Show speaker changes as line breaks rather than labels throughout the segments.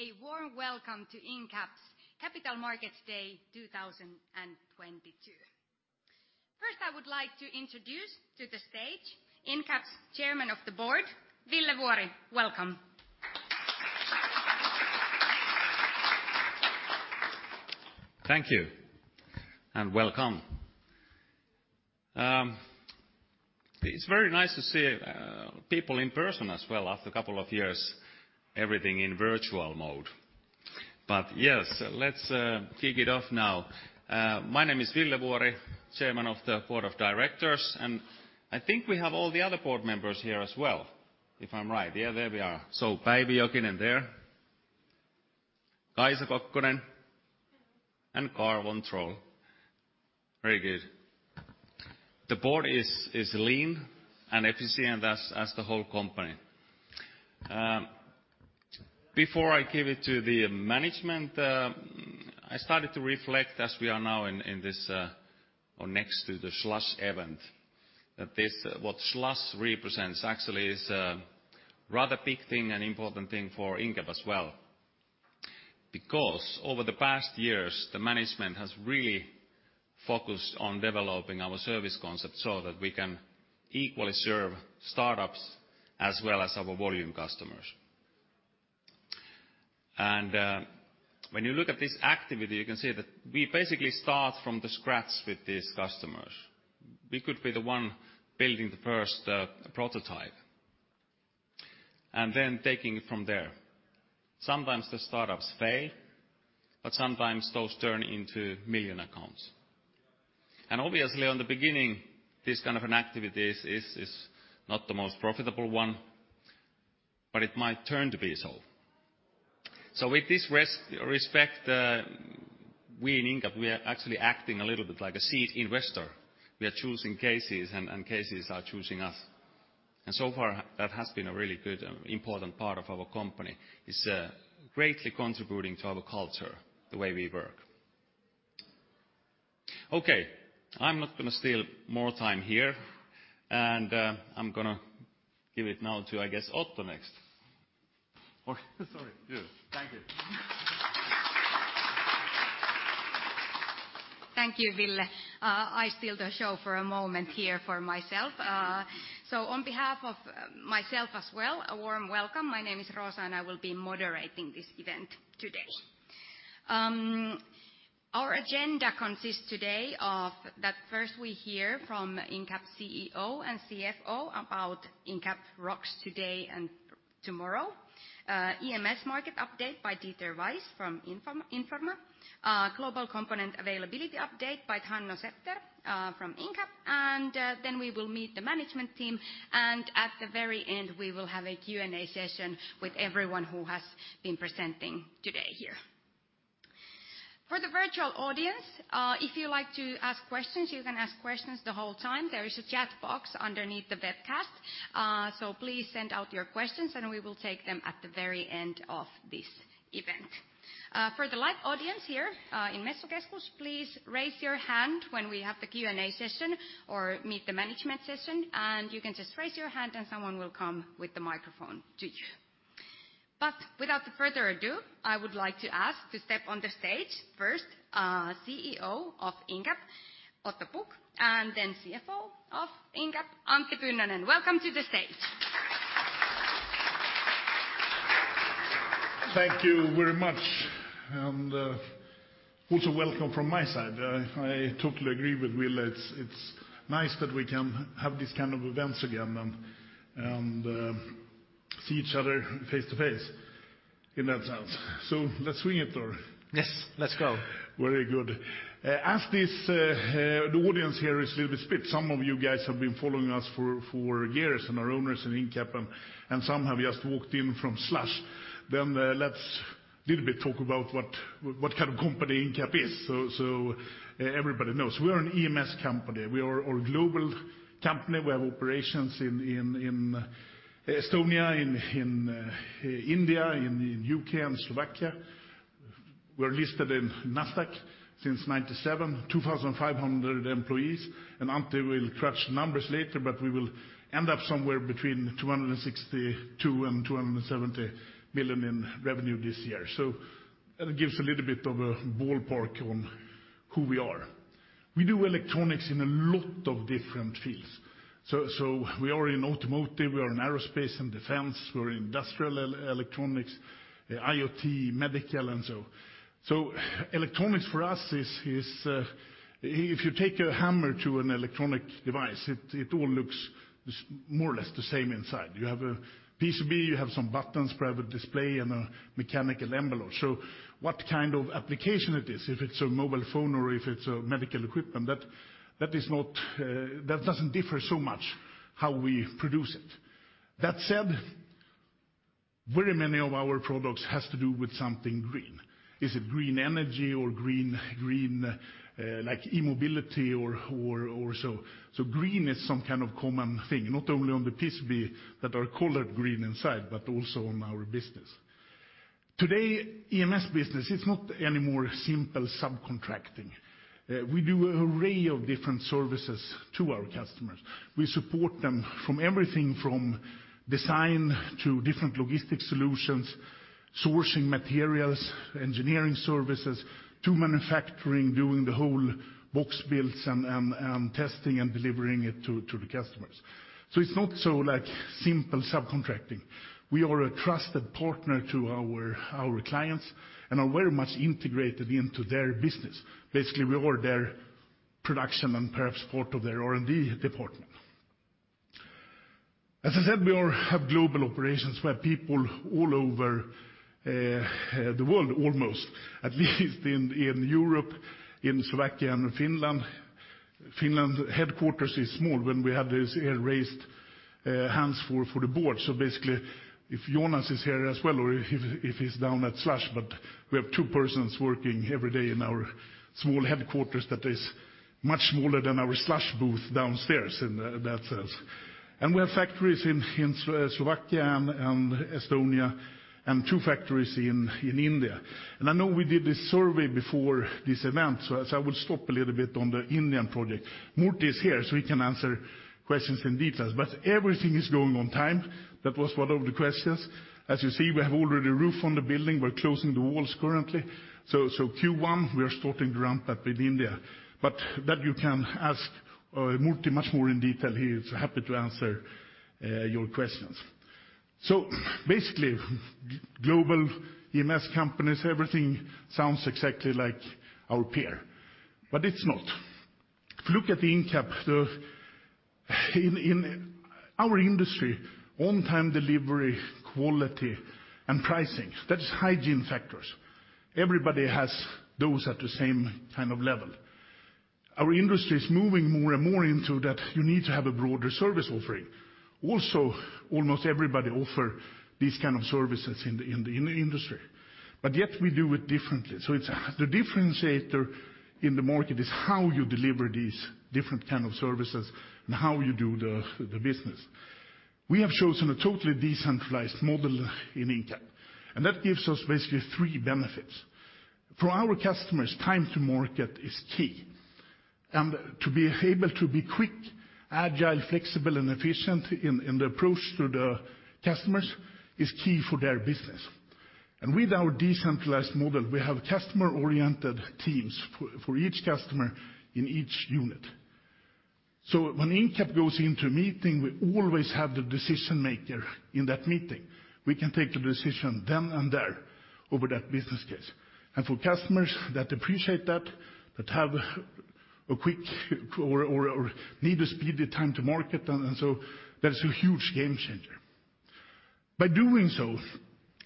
A warm welcome to Incap's Capital Markets Day 2022. First, I would like to introduce to the stage Incap's Chairman of the Board, Ville Vuori. Welcome.
Thank you and welcome. It's very nice to see people in person as well after a couple of years everything in virtual mode. Yes, let's kick it off now. My name is Ville Vuori, Chairman of the Board of Directors, and I think we have all the other board members here as well, if I'm right. Yeah, there we are. Päivi Jokinen in there, Kaisa Kokkonen, and Carl-Gustaf von Troil. Very good. The board is lean and efficient as the whole company. Before I give it to the management, I started to reflect as we are now in this or next to the Slush event, that this, what Slush represents actually is a rather big thing and important thing for Incap as well. Because over the past years, the management has really focused on developing our service concept so that we can equally serve startups as well as our volume customers. And, uh, when you look at this activity, you can see that we basically start from the scratch with these customers. We could be the one building the first, uh, prototype, and then taking it from there. Sometimes the startups fail, but sometimes those turn into million accounts. And obviously, on the beginning, this kind of an activity is, is not the most profitable one, but it might turn to be so. So with this res-respect, uh, we in Incap, we are actually acting a little bit like a seed investor. We are choosing cases, and cases are choosing us. And so far, that has been a really good and important part of our company. It's greatly contributing to our culture, the way we work. Okay, I'm not gonna steal more time here. I'm gonna give it now to, I guess, Otto next. Sorry. You. Thank you.
Thank you, Ville. I steal the show for a moment here for myself. On behalf of myself as well, a warm welcome. My name is Rosa, and I will be moderating this event today. Our agenda consists today of that first we hear from Incap CEO and CFO about Incap rocks today and tomorrow, EMS market update by Dieter Weiss from in4ma, global component availability update by Hanno Septer from Incap, and we will meet the management team. At the very end, we will have a Q&A session with everyone who has been presenting today here. For the virtual audience, if you'd like to ask questions, you can ask questions the whole time. There is a chat box underneath the webcast. Please send out your questions, and we will take them at the very end of this event. For the live audience here in Messukeskus, please raise your hand when we have the Q&A session or meet the management session, and you can just raise your hand and someone will come with the microphone to you. Without further ado, I would like to ask to step on the stage first, CEO of Incap, Otto Pukk, and then CFO of Incap, Antti Pynnönen. Welcome to the stage.
Thank you very much and also welcome from my side. I totally agree with Ville. It's nice that we can have these kind of events again and see each other face to face in that sense.
Yes, let's go.
Very good. As the audience here is a little bit split, some of you guys have been following us for years and are owners in Incap and some have just walked in from Slush. Let's little bit talk about what kind of company Incap is so everybody knows. We are an EMS company. We are a global company. We have operations in Estonia, in India, in U.K., and Slovakia. We're listed in Nasdaq since 1997. 2,500 employees, and Antti will crunch numbers later, but we will end up somewhere between 262 million and 270 million in revenue this year. That gives a little bit of a ballpark on who we are. We do electronics in a lot of different fields. We are in automotive, we are in aerospace and defense, we're in industrial electronics, IoT, medical and so on. Electronics for us is, if you take a hammer to an electronic device, it all looks more or less the same inside. You have a PCB, you have some buttons, perhaps a display, and a mechanical envelope. What kind of application it is, if it's a mobile phone or if it's a medical equipment, that doesn't differ so much how we produce it. That said, very many of our products has to do with something green. Is it green energy or green, like e-mobility or so. Green is some kind of common thing, not only on the PCB that are colored green inside, but also on our business. Today, EMS business is not anymore simple subcontracting. We do an array of different services to our customers. We support them from everything from design to different logistic solutions, sourcing materials, engineering services to manufacturing, doing the whole box builds and testing and delivering it to the customers. It's not so like simple subcontracting. We are a trusted partner to our clients and are very much integrated into their business. Basically, we are their production and perhaps part of their R&D department. As I said, we have global operations where people all over the world almost, at least in Europe, in Slovakia and Finland. Finland's headquarters is small when we had this raised hands for the Board. Basically if Jonas is here as well or if he's down at Slush, but we have two persons working every day in our small headquarters that is much smaller than our Slush booth downstairs in that sense. We have factories in Slovakia and Estonia and two factories in India. I know we did this survey before this event, so as I will stop a little bit on the Indian project. Murthy Munipalli is here, so he can answer questions in details. Everything is going on time. That was one of the questions. As you see, we have already roof on the building. We're closing the walls currently. Q1, we are starting to ramp up in India. That you can ask Murthy Munipalli much more in detail. He's happy to answer your questions. Basically, global EMS companies, everything sounds exactly like our peer, but it's not. If you look at the Incap, in our industry, on-time delivery, quality and pricing, that is hygiene factors. Everybody has those at the same kind of level. Our industry is moving more and more into that you need to have a broader service offering. Also, almost everybody offer these kind of services in the industry. Yet we do it differently. The differentiator in the market is how you deliver these different kind of services and how you do the business. We have chosen a totally decentralized model in Incap, and that gives us basically three benefits. For our customers, time to market is key, and to be able to be quick, agile, flexible, and efficient in the approach to the customers is key for their business. With our decentralized model, we have customer-oriented teams for each customer in each unit. When Incap goes into a meeting, we always have the decision-maker in that meeting. We can take the decision then and there over that business case. For customers that appreciate that have a quick or need a speedy time to market, that is a huge game changer. By doing so,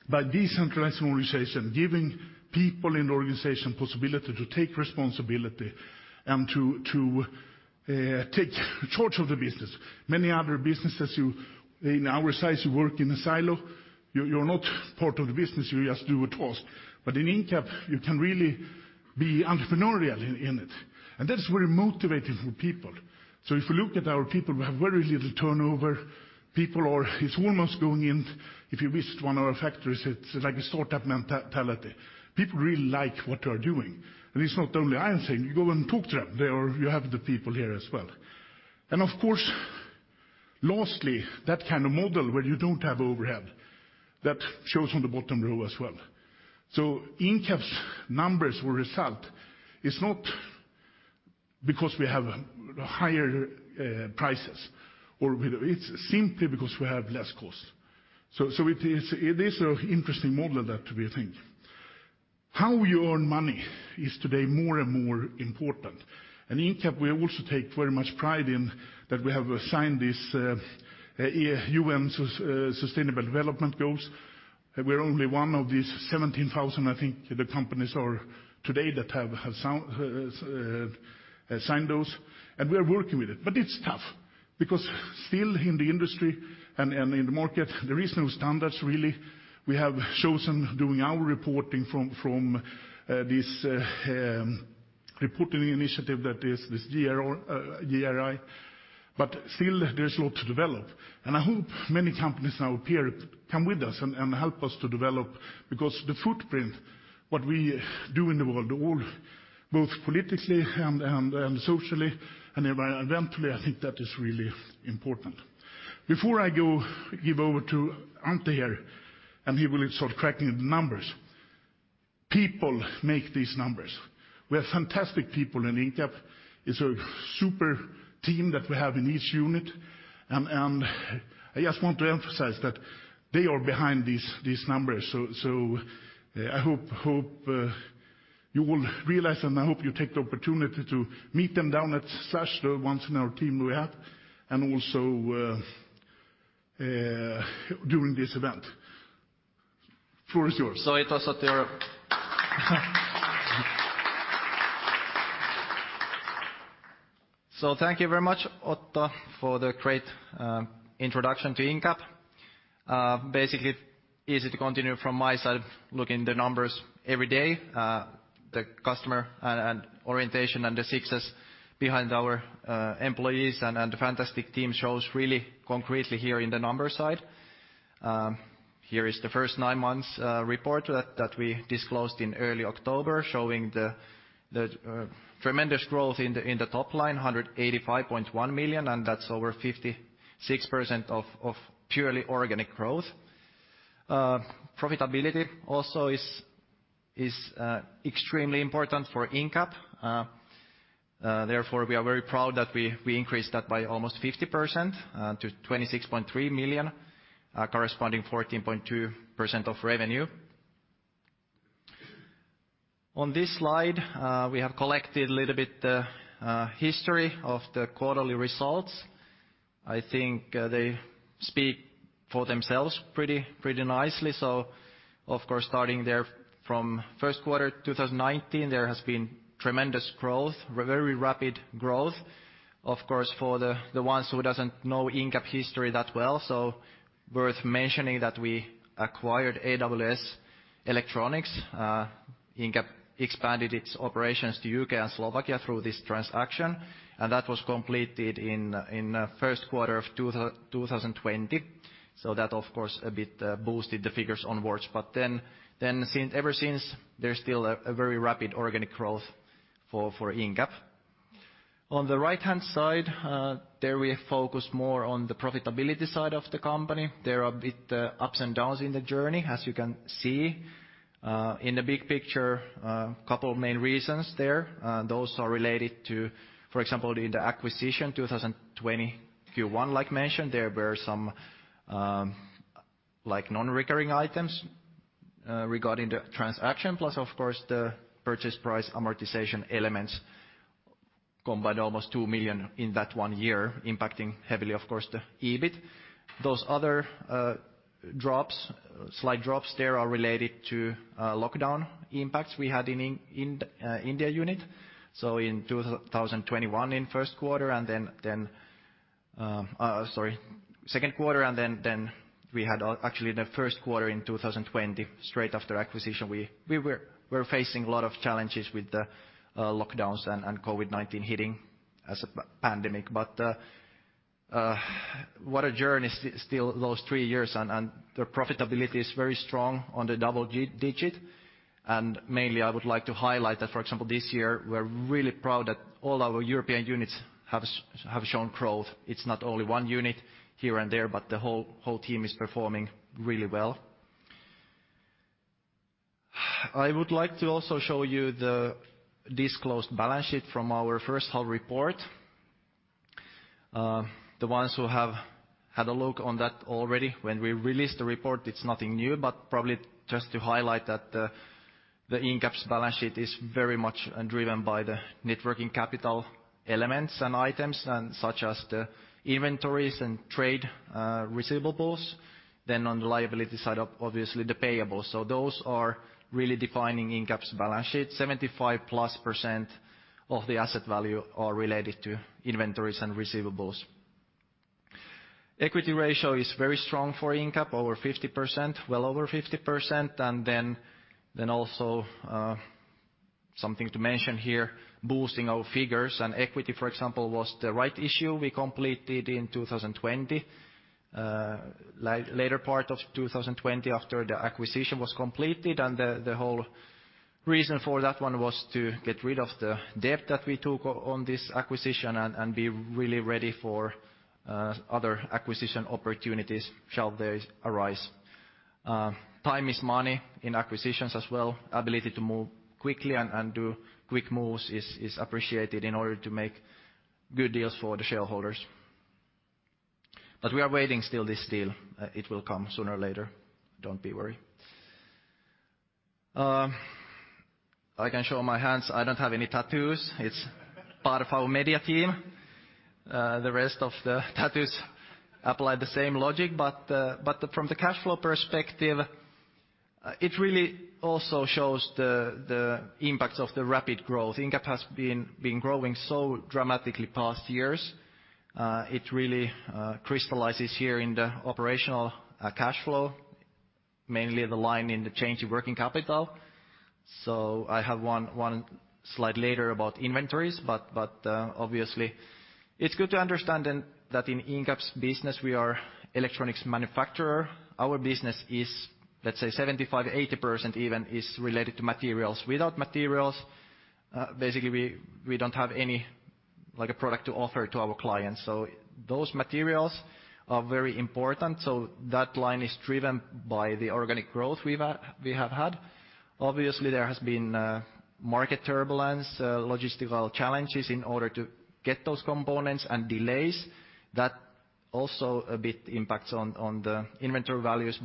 by decentralizing organization, giving people in the organization possibility to take responsibility and to take charge of the business. Many other businesses in our size, you work in a silo. You're not part of the business, you just do a task. In Incap, you can really be entrepreneurial in it, and that is very motivating for people. If you look at our people, we have very little turnover. It's almost going in, if you visit one of our factories, it's like a startup mentality. People really like what they are doing. It's not only I am saying. You go and talk to them. You have the people here as well. Of course, lastly, that kind of model where you don't have overhead, that shows on the bottom row as well. Incap's numbers or result is not because we have higher prices. It's simply because we have less costs. It is an interesting model there to, we think. How you earn money is today more and more important. In Incap, we also take very much pride in that we have signed this U.N. Sustainable Development Goals. We're only one of these 17,000, I think, the companies are today that have signed those. We are working with it, but it's tough because still in the industry and in the market, there is no standards really. We have chosen doing our reporting from this reporting initiative that is this GRI. Still, there's a lot to develop, and I hope many companies, our peer, come with us and help us to develop because the footprint, what we do in the world, all both politically and socially and eventually, I think that is really important. Before I go give over to Antti here, and he will start cracking the numbers. People make these numbers. We have fantastic people in Incap. It's a super team that we have in each unit, and I just want to emphasize that they are behind these numbers. I hope you will realize, and I hope you take the opportunity to meet them down at Slush, the ones in our team we have, and also during this event. Floor is yours.
Thank you very much, Otto, for the great introduction to Incap. Basically, easy to continue from my side, looking the numbers every day. The customer and orientation and the success behind our employees and fantastic team shows really concretely here in the number side. Here is the first nine months report that we disclosed in early October showing the tremendous growth in the top line, 185.1 million, and that's over 56% of purely organic growth. Profitability also is extremely important for Incap. Therefore, we are very proud that we increased that by almost 50% to 26.3 million, corresponding 14.2% of revenue. On this slide, we have collected a little bit history of the quarterly results. I think they speak for themselves pretty nicely. Of course, starting there from first quarter 2019, there has been tremendous growth, very rapid growth. Of course, for the ones who doesn't know Incap history that well, so worth mentioning that we acquired AWS Electronics. Incap expanded its operations to U.K. and Slovakia through this transaction, and that was completed in first quarter of 2020. That of course a bit boosted the figures onwards. Ever since, there's still a very rapid organic growth for Incap. On the right-hand side, there we focus more on the profitability side of the company. There are a bit ups and downs in the journey, as you can see in the big picture. Couple main reasons there. Those are related to, for example, in the acquisition, 2020 Q1, like mentioned, there were some like non-recurring items regarding the transaction, plus of course the purchase price amortization elements combined almost 2 million in that one year, impacting heavily of course the EBIT. Those other drops, slight drops there are related to lockdown impacts we had in India unit. In 2021 in first quarter and then, sorry, second quarter and then we had actually the first quarter in 2020 straight after acquisition, we were facing a lot of challenges with the lockdowns and COVID-19 hitting as a pandemic. What a journey still those three years and the profitability is very strong on the double-digit. Mainly I would like to highlight that, for example, this year we're really proud that all our European units have shown growth. It's not only one unit here and there, but the whole team is performing really well. I would like to also show you the disclosed balance sheet from our first-half report. The ones who have had a look on that already when we released the report, it's nothing new, but probably just to highlight that the Incap's balance sheet is very much driven by the networking capital elements and items and such as the inventories and trade receivables. On the liability side, obviously the payables. Those are really defining Incap's balance sheet. 75%+ of the asset value are related to inventories and receivables. Equity ratio is very strong for Incap, over 50%, well over 50%. Also, something to mention here, boosting our figures and equity, for example, was the rights issue we completed in 2020, later part of 2020 after the acquisition was completed. The whole reason for that one was to get rid of the debt that we took on this acquisition and be really ready for other acquisition opportunities shall they arise. Time is money in acquisitions as well. Ability to move quickly and do quick moves is appreciated in order to make good deals for the shareholders. We are waiting still this deal. It will come sooner or later. Don't be worry. I can show my hands. I don't have any tattoos. It's part of our media team. The rest of the tattoos apply the same logic. From the cash flow perspective, it really also shows the impacts of the rapid growth. Incap has been growing so dramatically past years. It really crystallizes here in the operational cash flow, mainly the line in the change in working capital. I have one slide later about inventories. Obviously, it's good to understand then that in Incap's business, we are electronics manufacturer. Our business is, let's say 75%-80% even is related to materials. Without materials, basically we don't have any, like a product to offer to our clients. Those materials are very important. That line is driven by the organic growth we have had. Obviously, there has been market turbulence, logistical challenges in order to get those components and delays. That also a bit impacts on the inventory values.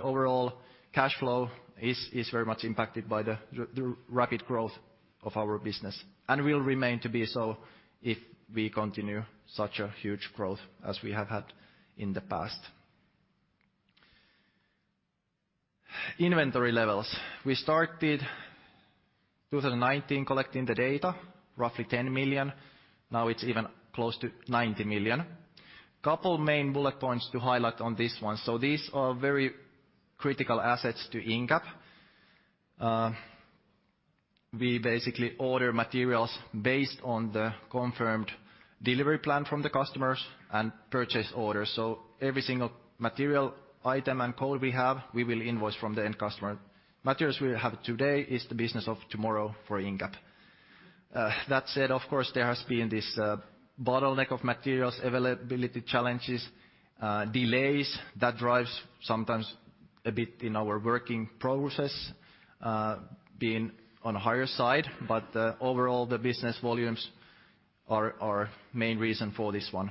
Overall, cash flow is very much impacted by the rapid growth of our business and will remain to be so if we continue such a huge growth as we have had in the past. Inventory levels. We started 2019 collecting the data, roughly 10 million. Now it's even close to 90 million. Couple main bullet points to highlight on this one. These are very critical assets to Incap. We basically order materials based on the confirmed delivery plan from the customers and purchase orders. Every single material item and code we have, we will invoice from the end customer. Materials we have today is the business of tomorrow for Incap. That said, of course, there has been this bottleneck of materials availability challenges, delays that drives sometimes a bit in our work in process, being on a higher side. Overall, the business volumes are main reason for this one.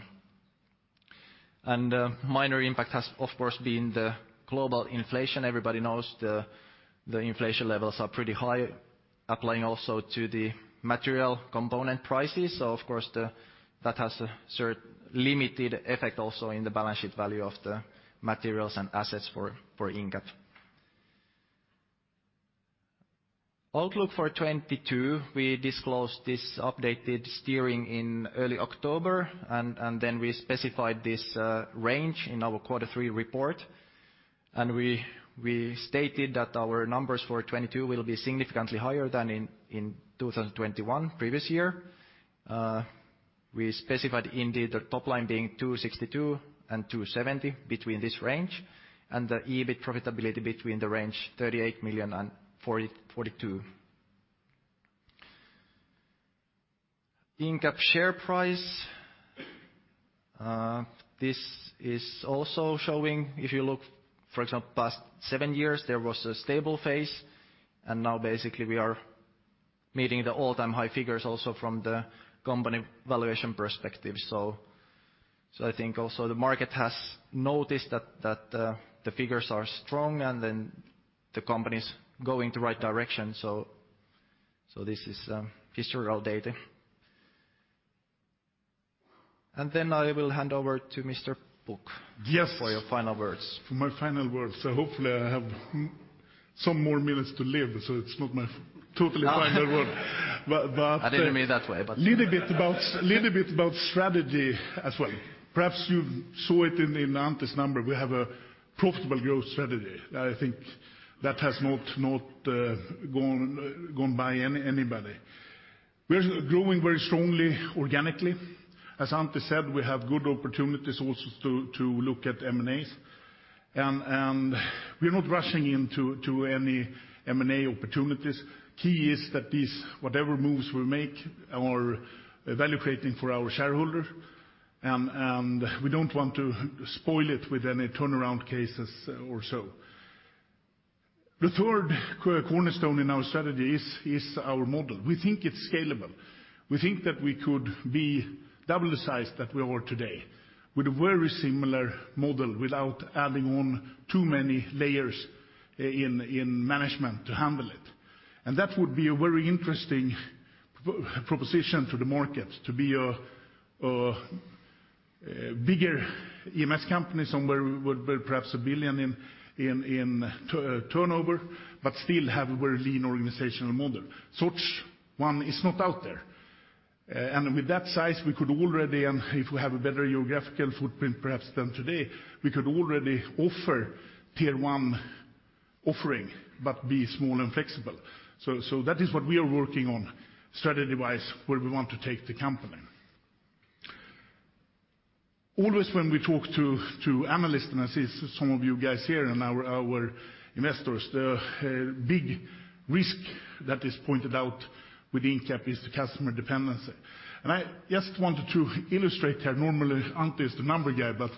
Minor impact has, of course, been the global inflation. Everybody knows the inflation levels are pretty high, applying also to the material component prices. Of course, that has a limited effect also in the balance sheet value of the materials and assets for Incap. Outlook for 2022, we disclosed this updated steering in early October, and then we specified this range in our Quarter Three report. We stated that our numbers for 2022 will be significantly higher than in 2021, previous year. We specified indeed the top line being 262 and 270 between this range, and the EBIT profitability between the range 38 million and 42 million. Incap share price, this is also showing, if you look, for example, past seven years, there was a stable phase, and now basically we are meeting the all-time high figures also from the company valuation perspective. I think also the market has noticed that the figures are strong and then the company's going the right direction. This is historical data. I will hand over to Mr. Pukk.
Yes.
For your final words.
For my final words. Hopefully I have some more minutes to live, so it's not my totally final word.
I didn't mean it that way.
Little bit about strategy as well. Perhaps you saw it in Antti's number. We have a profitable growth strategy. I think that has not gone by anybody. We're growing very strongly organically. As Antti said, we have good opportunities also to look at M&As. We're not rushing into any M&A opportunities. Key is that these whatever moves we make are value-adding for our shareholder, and we don't want to spoil it with any turnaround cases or so. The third cornerstone in our strategy is our model. We think it's scalable. We think that we could be double the size that we are today with a very similar model without adding on too many layers in management to handle it. That would be a very interesting proposition to the market to be a bigger EMS company, somewhere perhaps a billion in turnover, but still have very lean organizational model. Such one is not out there. With that size, if we have a better geographical footprint perhaps than today, we could already offer tier one offering but be small and flexible. That is what we are working on strategy-wise, where we want to take the company. Always when we talk to analysts, and I see some of you guys here and our investors, the big risk that is pointed out with Incap is the customer dependency. I just wanted to illustrate here. Normally, Antti is the number guy, but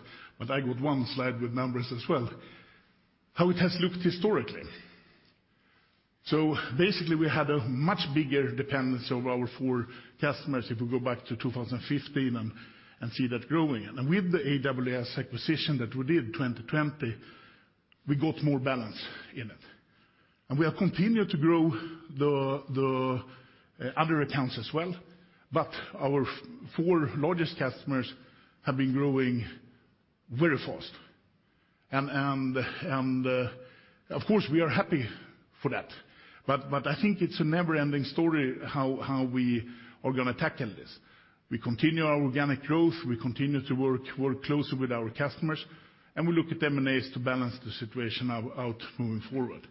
I got one slide with numbers as well, how it has looked historically. Basically, we had a much bigger dependence of our four customers if we go back to 2015 and see that growing. With the AWS acquisition that we did in 2020, we got more balance in it. We have continued to grow the other accounts as well, but our four largest customers have been growing very fast. Of course, we are happy for that. I think it's a never-ending story how we are gonna tackle this. We continue our organic growth, we continue to work closely with our customers, and we look at M.&A.s to balance the situation out moving forward.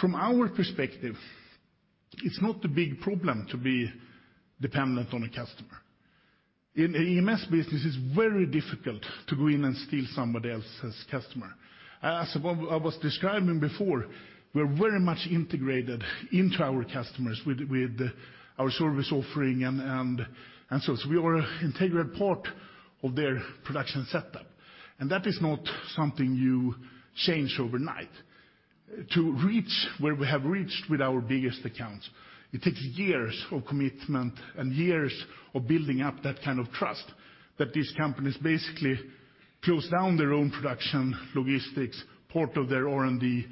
From our perspective, it's not a big problem to be dependent on a customer. In EMS business, it's very difficult to go in and steal somebody else's customer. I was describing before, we're very much integrated into our customers with our service offering and such. We are an integral part of their production setup. That is not something you change overnight. To reach where we have reached with our biggest accounts, it takes years of commitment and years of building up that kind of trust that these companies basically close down their own production, logistics, part of their R&D,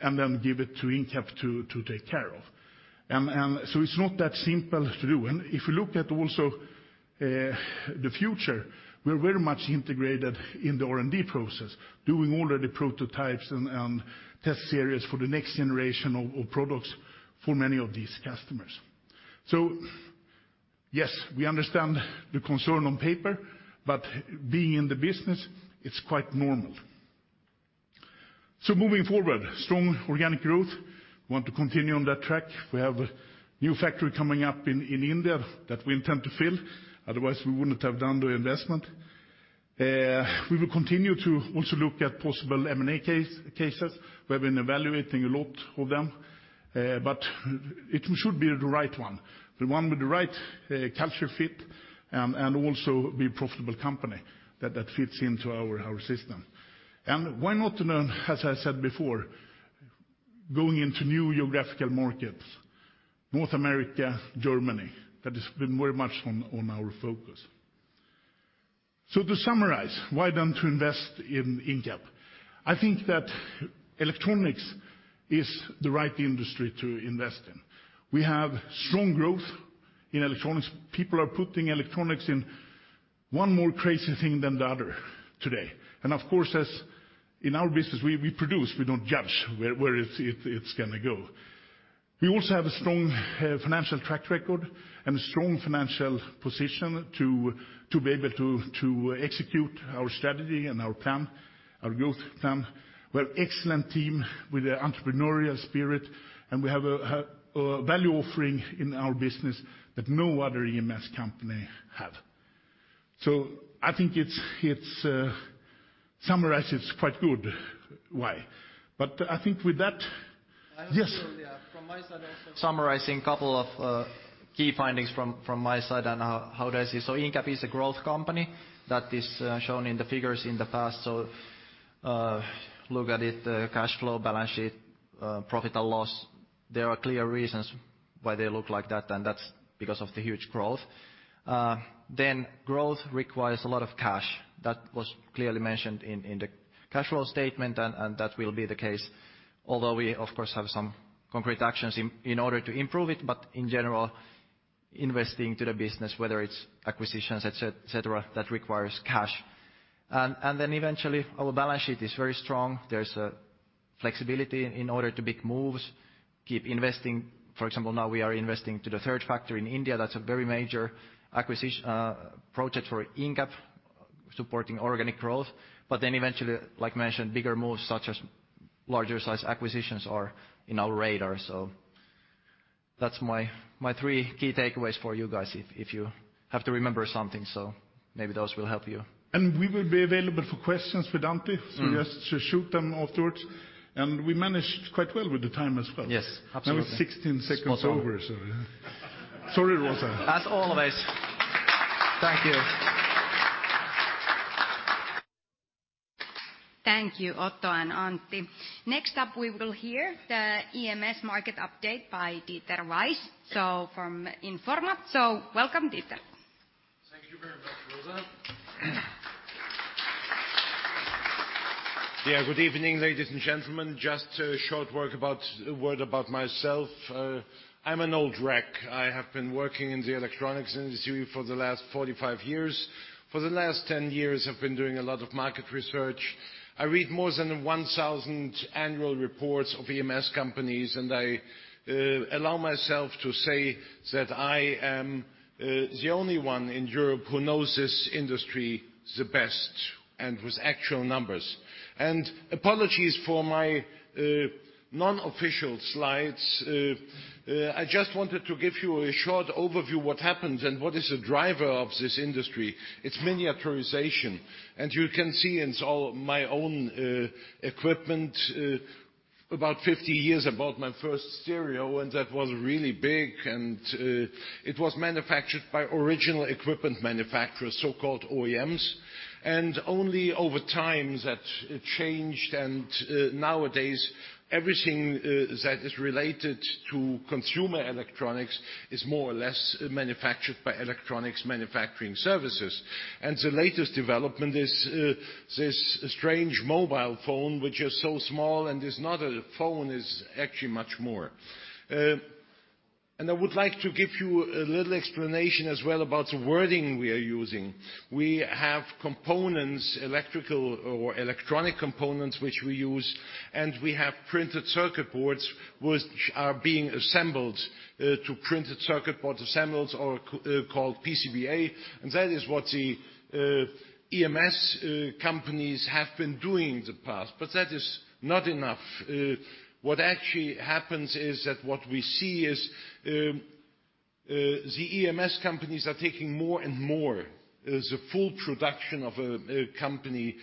and then give it to Incap to take care of. It's not that simple to do. If you look at also the future, we're very much integrated in the R&D process, doing all the prototypes and test series for the next generation of products for many of these customers. Yes, we understand the concern on paper, but being in the business, it's quite normal. Moving forward, strong organic growth. We want to continue on that track. We have a new factory coming up in India that we intend to fill, otherwise we wouldn't have done the investment. We will continue to also look at possible M&A cases. We've been evaluating a lot of them, but it should be the right one, the one with the right culture fit and also be profitable company that fits into our system. Why not to learn, as I said before, going into new geographical markets, North America, Germany, that has been very much on our focus. To summarize, why then to invest in Incap? I think that electronics is the right industry to invest in. We have strong growth in electronics. People are putting electronics in one more crazy thing than the other today. Of course, as in our business, we produce, we don't judge where it's gonna go. We also have a strong financial track record and a strong financial position to be able to execute our strategy and our plan, our growth plan. We have excellent team with the entrepreneurial spirit, and we have a value offering in our business that no other EMS company have. I think it's summarized, it's quite good why. I think with that.
I have to.
Yes.
From my side, also summarizing couple of key findings from my side and how do I see. Incap is a growth company that is shown in the figures in the past. Look at it, the cash flow, balance sheet, profit and loss, there are clear reasons why they look like that, and that's because of the huge growth. Growth requires a lot of cash. That was clearly mentioned in the cash flow statement, and that will be the case. Although we, of course, have some concrete actions in order to improve it, but in general, investing to the business, whether it's acquisitions, et cetera, that requires cash. Eventually, our balance sheet is very strong. There's a flexibility in order to make moves, keep investing. For example, now we are investing to the third factory in India. That's a very major project for Incap, supporting organic growth. Eventually, like mentioned, bigger moves such as larger size acquisitions are in our radar. That's my three key takeaways for you guys if you have to remember something. Maybe those will help you.
We will be available for questions with Antti.
Mm-hmm.
Just shoot them afterwards. We managed quite well with the time as well.
Yes. Absolutely.
Now it's 16 seconds over, so. Sorry, Rosa.
As always. Thank you.
Thank you, Otto and Antti. Next up, we will hear the EMS market update by Dieter Weiss, so from in4ma. Welcome, Dieter.
Thank you very much, Rosa. Yeah, good evening, ladies and gentlemen. Just a short word about myself. I'm an old wreck. I have been working in the electronics industry for the last 45 years. For the last 10 years, I've been doing a lot of market research. I read more than 1,000 annual reports of EMS companies, and I allow myself to say that I am the only one in Europe who knows this industry the best and with actual numbers. Apologies for my non-official slides. I just wanted to give you a short overview what happens and what is the driver of this industry. It's miniaturization. You can see it's all my own equipment. About 50 years, I bought my first stereo. That was really big. It was manufactured by original equipment manufacturers, so-called OEMs. Only over time that changed. Nowadays everything that is related to consumer electronics is more or less manufactured by electronics manufacturing services. The latest development is this strange mobile phone which is so small and is not a phone, it's actually much more. I would like to give you a little explanation as well about the wording we are using. We have components, electrical or electronic components, which we use. We have printed circuit boards which are being assembled to printed circuit boards assembled or called PCBA. That is what the EMS companies have been doing in the past, but that is not enough. What actually happens is that what we see is the EMS companies are taking more and more the full production of a company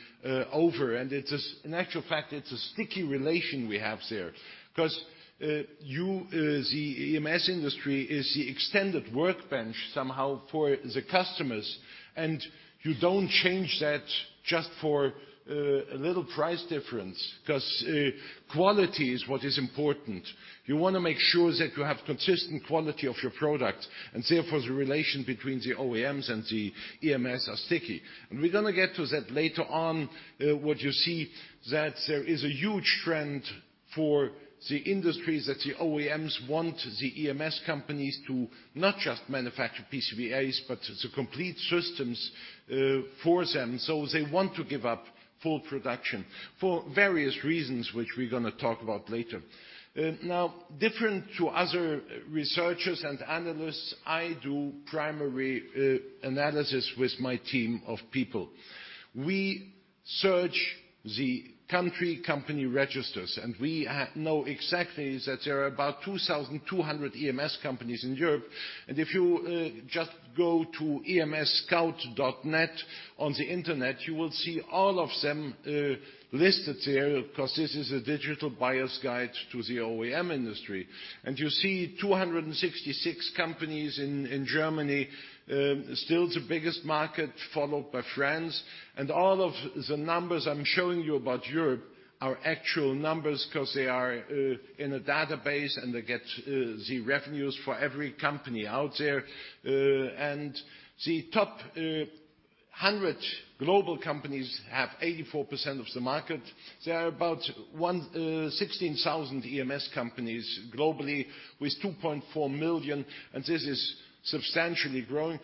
over. It is, in actual fact, it's a sticky relation we have there 'cause the EMS industry is the extended workbench somehow for the customers, and you don't change that just for a little price difference 'cause quality is what is important. You wanna make sure that you have consistent quality of your product, and therefore, the relation between the OEMs and the EMS are sticky. We're gonna get to that later on, what you see that there is a huge trend for the industries that the OEMs want the EMS companies to not just manufacture PCBAs, but the complete systems for them. They want to give up full production for various reasons which we're gonna talk about later. Now, different to other researchers and analysts, I do primary analysis with my team of people. We search the country company registers, and we know exactly that there are about 2,200 EMS companies in Europe. If you just go to EMS-Scout on the internet, you will see all of them listed there because this is a digital buyer's guide to the OEM industry. You see 266 companies in Germany, still the biggest market followed by France. All of the numbers I'm showing you about Europe are actual numbers because they are in a database, and they get the revenues for every company out there. The top 100 global companies have 84% of the market. There are about 16,000 EMS companies globally with 2.4 million, and this is substantially growing.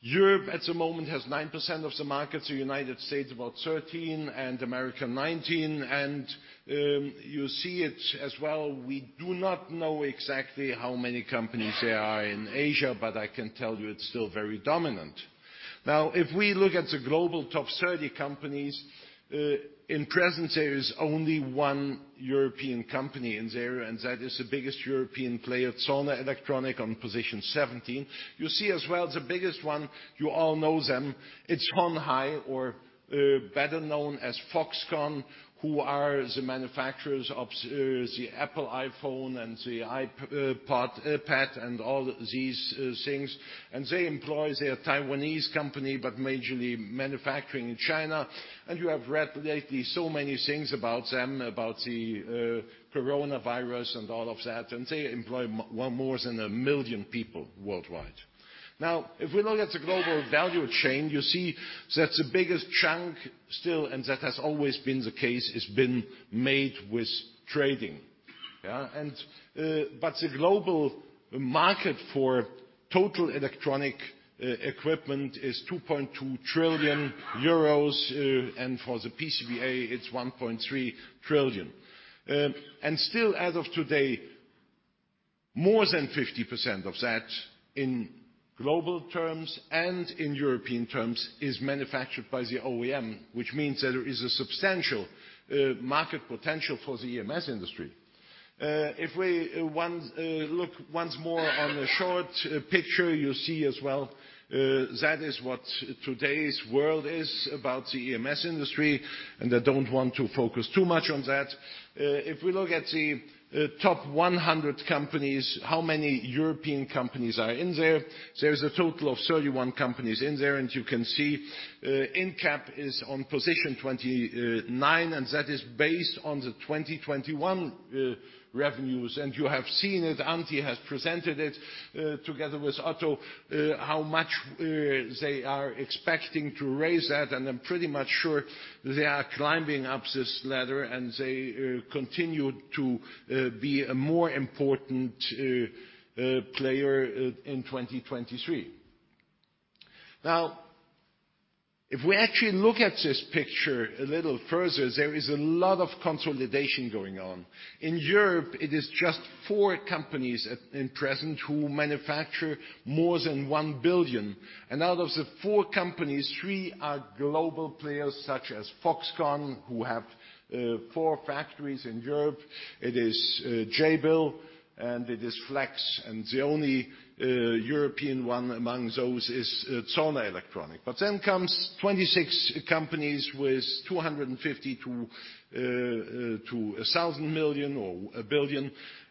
Europe at the moment has 9% of the market, the United States about 13, and America 19. You see it as well. We do not know exactly how many companies there are in Asia, but I can tell you it's still very dominant. Now if we look at the global top 30 companies in present, there is only one European company in there, and that is the biggest European player, Zollner Elektronik, on position 17. You see as well the biggest one, you all know them, it's Hon Hai or better known as Foxconn, who are the manufacturers of the Apple iPhone and the iPod, iPad and all these things. They are Taiwanese company, but majorly manufacturing in China. You have read lately so many things about them, about the coronavirus and all of that, and they employ more than a million people worldwide. Now if we look at the global value chain, you see that the biggest chunk still, and that has always been the case, has been made with trading. Yeah. The global market for total electronic equipment is 2.2 trillion euros, and for the PCBA, it's 1.3 trillion. Still as of today, more than 50% of that in global terms and in European terms is manufactured by the OEM, which means that there is a substantial market potential for the EMS industry. If we look once more on the short picture, you see as well that is what today's world is about the EMS industry, and I don't want to focus too much on that. If we look at the top 100 companies, how many European companies are in there? There is a total of 31 companies in there, and you can see Incap is on position 29, and that is based on the 2021 revenues. You have seen it, Antti has presented it together with Otto, how much they are expecting to raise that. I'm pretty much sure they are climbing up this ladder, and they continue to be a more important player in 2023. Now if we actually look at this picture a little further, there is a lot of consolidation going on. In Europe, it is just four companies in present who manufacture more than 1 billion. Out of the four companies, three are global players such as Foxconn, who have four factories in Europe. It is Jabil, and it is Flex. The only European one among those is Zollner Elektronik. Comes 26 companies with 250 million-1,000 million or 1 billion.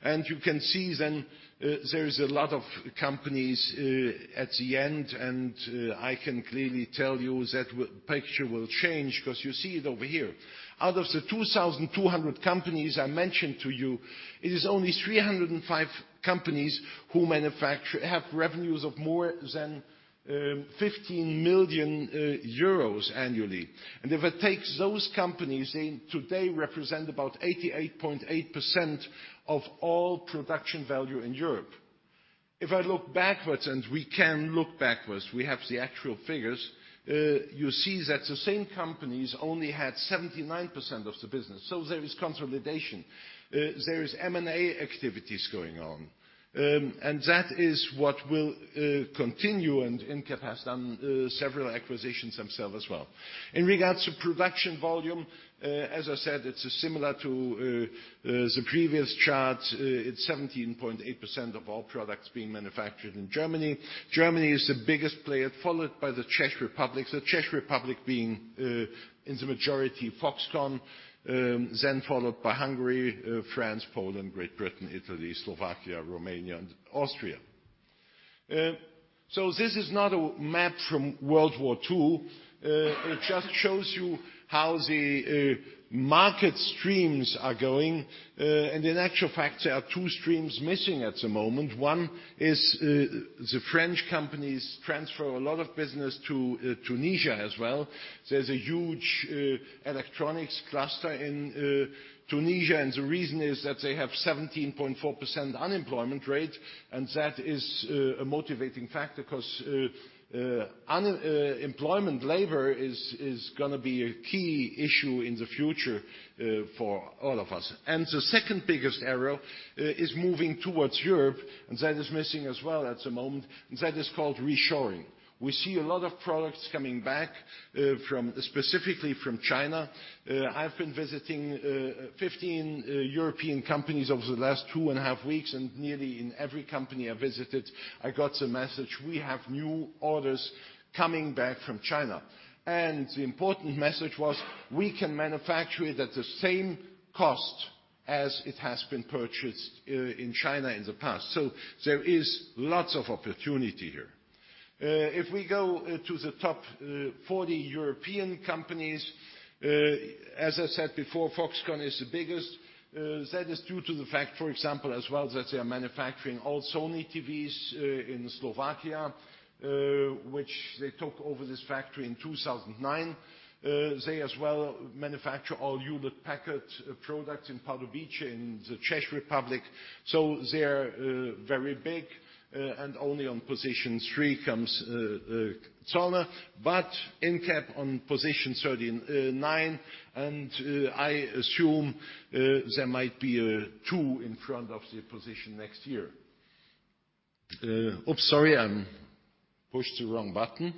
You can see then there is a lot of companies at the end, and I can clearly tell you that picture will change because you see it over here. Out of the 2,200 companies I mentioned to you, it is only 305 companies who have revenues of more than 15 million euros annually. If I take those companies, they today represent about 88.8% of all production value in Europe. If I look backwards, and we can look backwards, we have the actual figures, you see that the same companies only had 79% of the business, so there is consolidation. There is M&A activities going on. That is what will continue, and Incap has done several acquisitions themselves as well. In regards to production volume, as I said, it's similar to the previous chart. It's 17.8% of all products being manufactured in Germany. Germany is the biggest player, followed by the Czech Republic. The Czech Republic being in the majority Foxconn, then followed by Hungary, France, Poland, Great Britain, Italy, Slovakia, Romania, and Austria. This is not a map from World War II. It just shows you how the market streams are going. In actual fact, there are two streams missing at the moment. One is the French companies transfer a lot of business to Tunisia as well. There's a huge electronics cluster in Tunisia, and the reason is that they have 17.4% unemployment rate. That is a motivating factor because employment labor is gonna be a key issue in the future for all of us. The second biggest arrow is moving towards Europe, and that is missing as well at the moment. That is called reshoring. We see a lot of products coming back specifically from China. I've been visiting 15 European companies over the last two and a half weeks, and nearly in every company I visited I got the message, "We have new orders coming back from China." The important message was, "We can manufacture it at the same cost as it has been purchased in China in the past." There is lots of opportunity here. If we go to the top 40 European companies, as I said before, Foxconn is the biggest. That is due to the fact, for example, as well, that they are manufacturing all Sony TVs in Slovakia, which they took over this factory in 2009. They as well manufacture all Hewlett Packard products in Pardubice in the Czech Republic, so they're very big. Only on position 3 comes Zollner, but Incap on position 39, and I assume there might be a 2 in front of the position next year. Oops, sorry, I'm pushed the wrong button.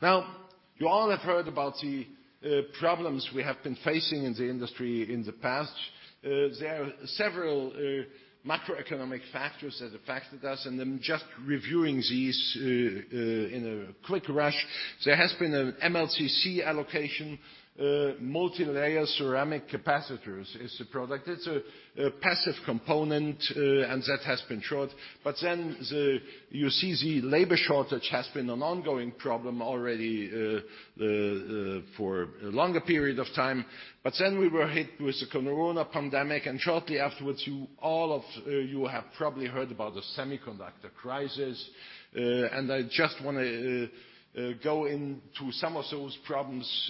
Now, you all have heard about the problems we have been facing in the industry in the past. There are several macroeconomic factors that affected us, and I'm just reviewing these in a quick rush. There has been an MLCC allocation. Multi-layer ceramic capacitors is the product. It's a passive component, and that has been short. You see the labor shortage has been an ongoing problem already for a longer period of time. We were hit with the corona pandemic, and shortly afterwards, all of you have probably heard about the semiconductor crisis. I just wanna go into some of those problems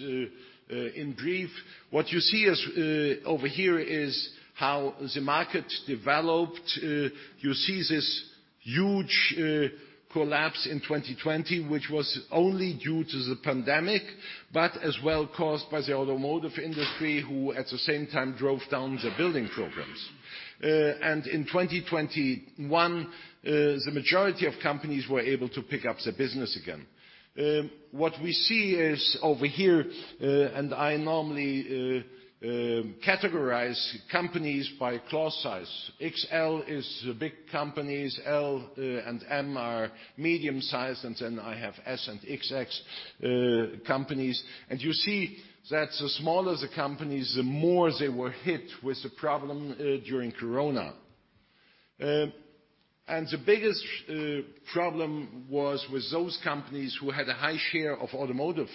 in brief. What you see is over here is how the market developed. You see this huge collapse in 2020, which was only due to the pandemic, but as well caused by the automotive industry, who at the same time drove down the building programs. In 2021, the majority of companies were able to pick up the business again. What we see is over here, and I normally categorize companies by cloth size. XL is the big companies, L and M are medium-sized, and then I have S and XX companies. You see that the smaller the companies, the more they were hit with the problem during corona. The biggest problem was with those companies who had a high share of automotive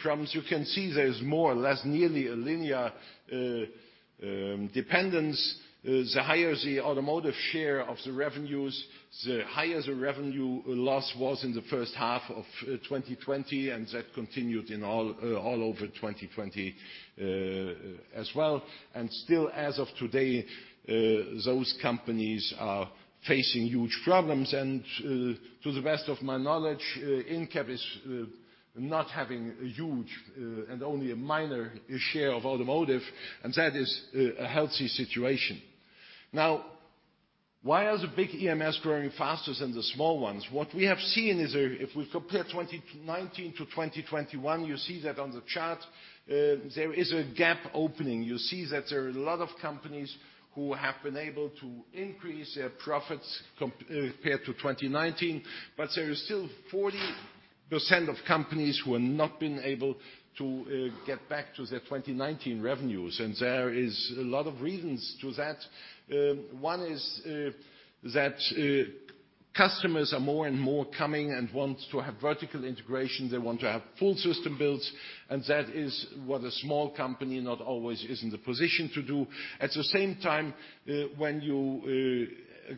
problems. You can see there is more or less nearly a linear dependence. The higher the automotive share of the revenues, the higher the revenue loss was in the first half of 2020, and that continued all over 2020 as well. Still as of today, those companies are facing huge problems. To the best of my knowledge, Incap is not having a huge and only a minor share of automotive, and that is a healthy situation. Now, why are the big EMS growing faster than the small ones? If we compare 2019 to 2021, you see that on the chart, there is a gap opening. You see that there are a lot of companies who have been able to increase their profits compared to 2019. There is still 40% of companies who have not been able to get back to their 2019 revenues, and there is a lot of reasons to that. One is that customers are more and more coming and want to have vertical integration. They want to have full system builds, and that is what a small company not always is in the position to do. At the same time, a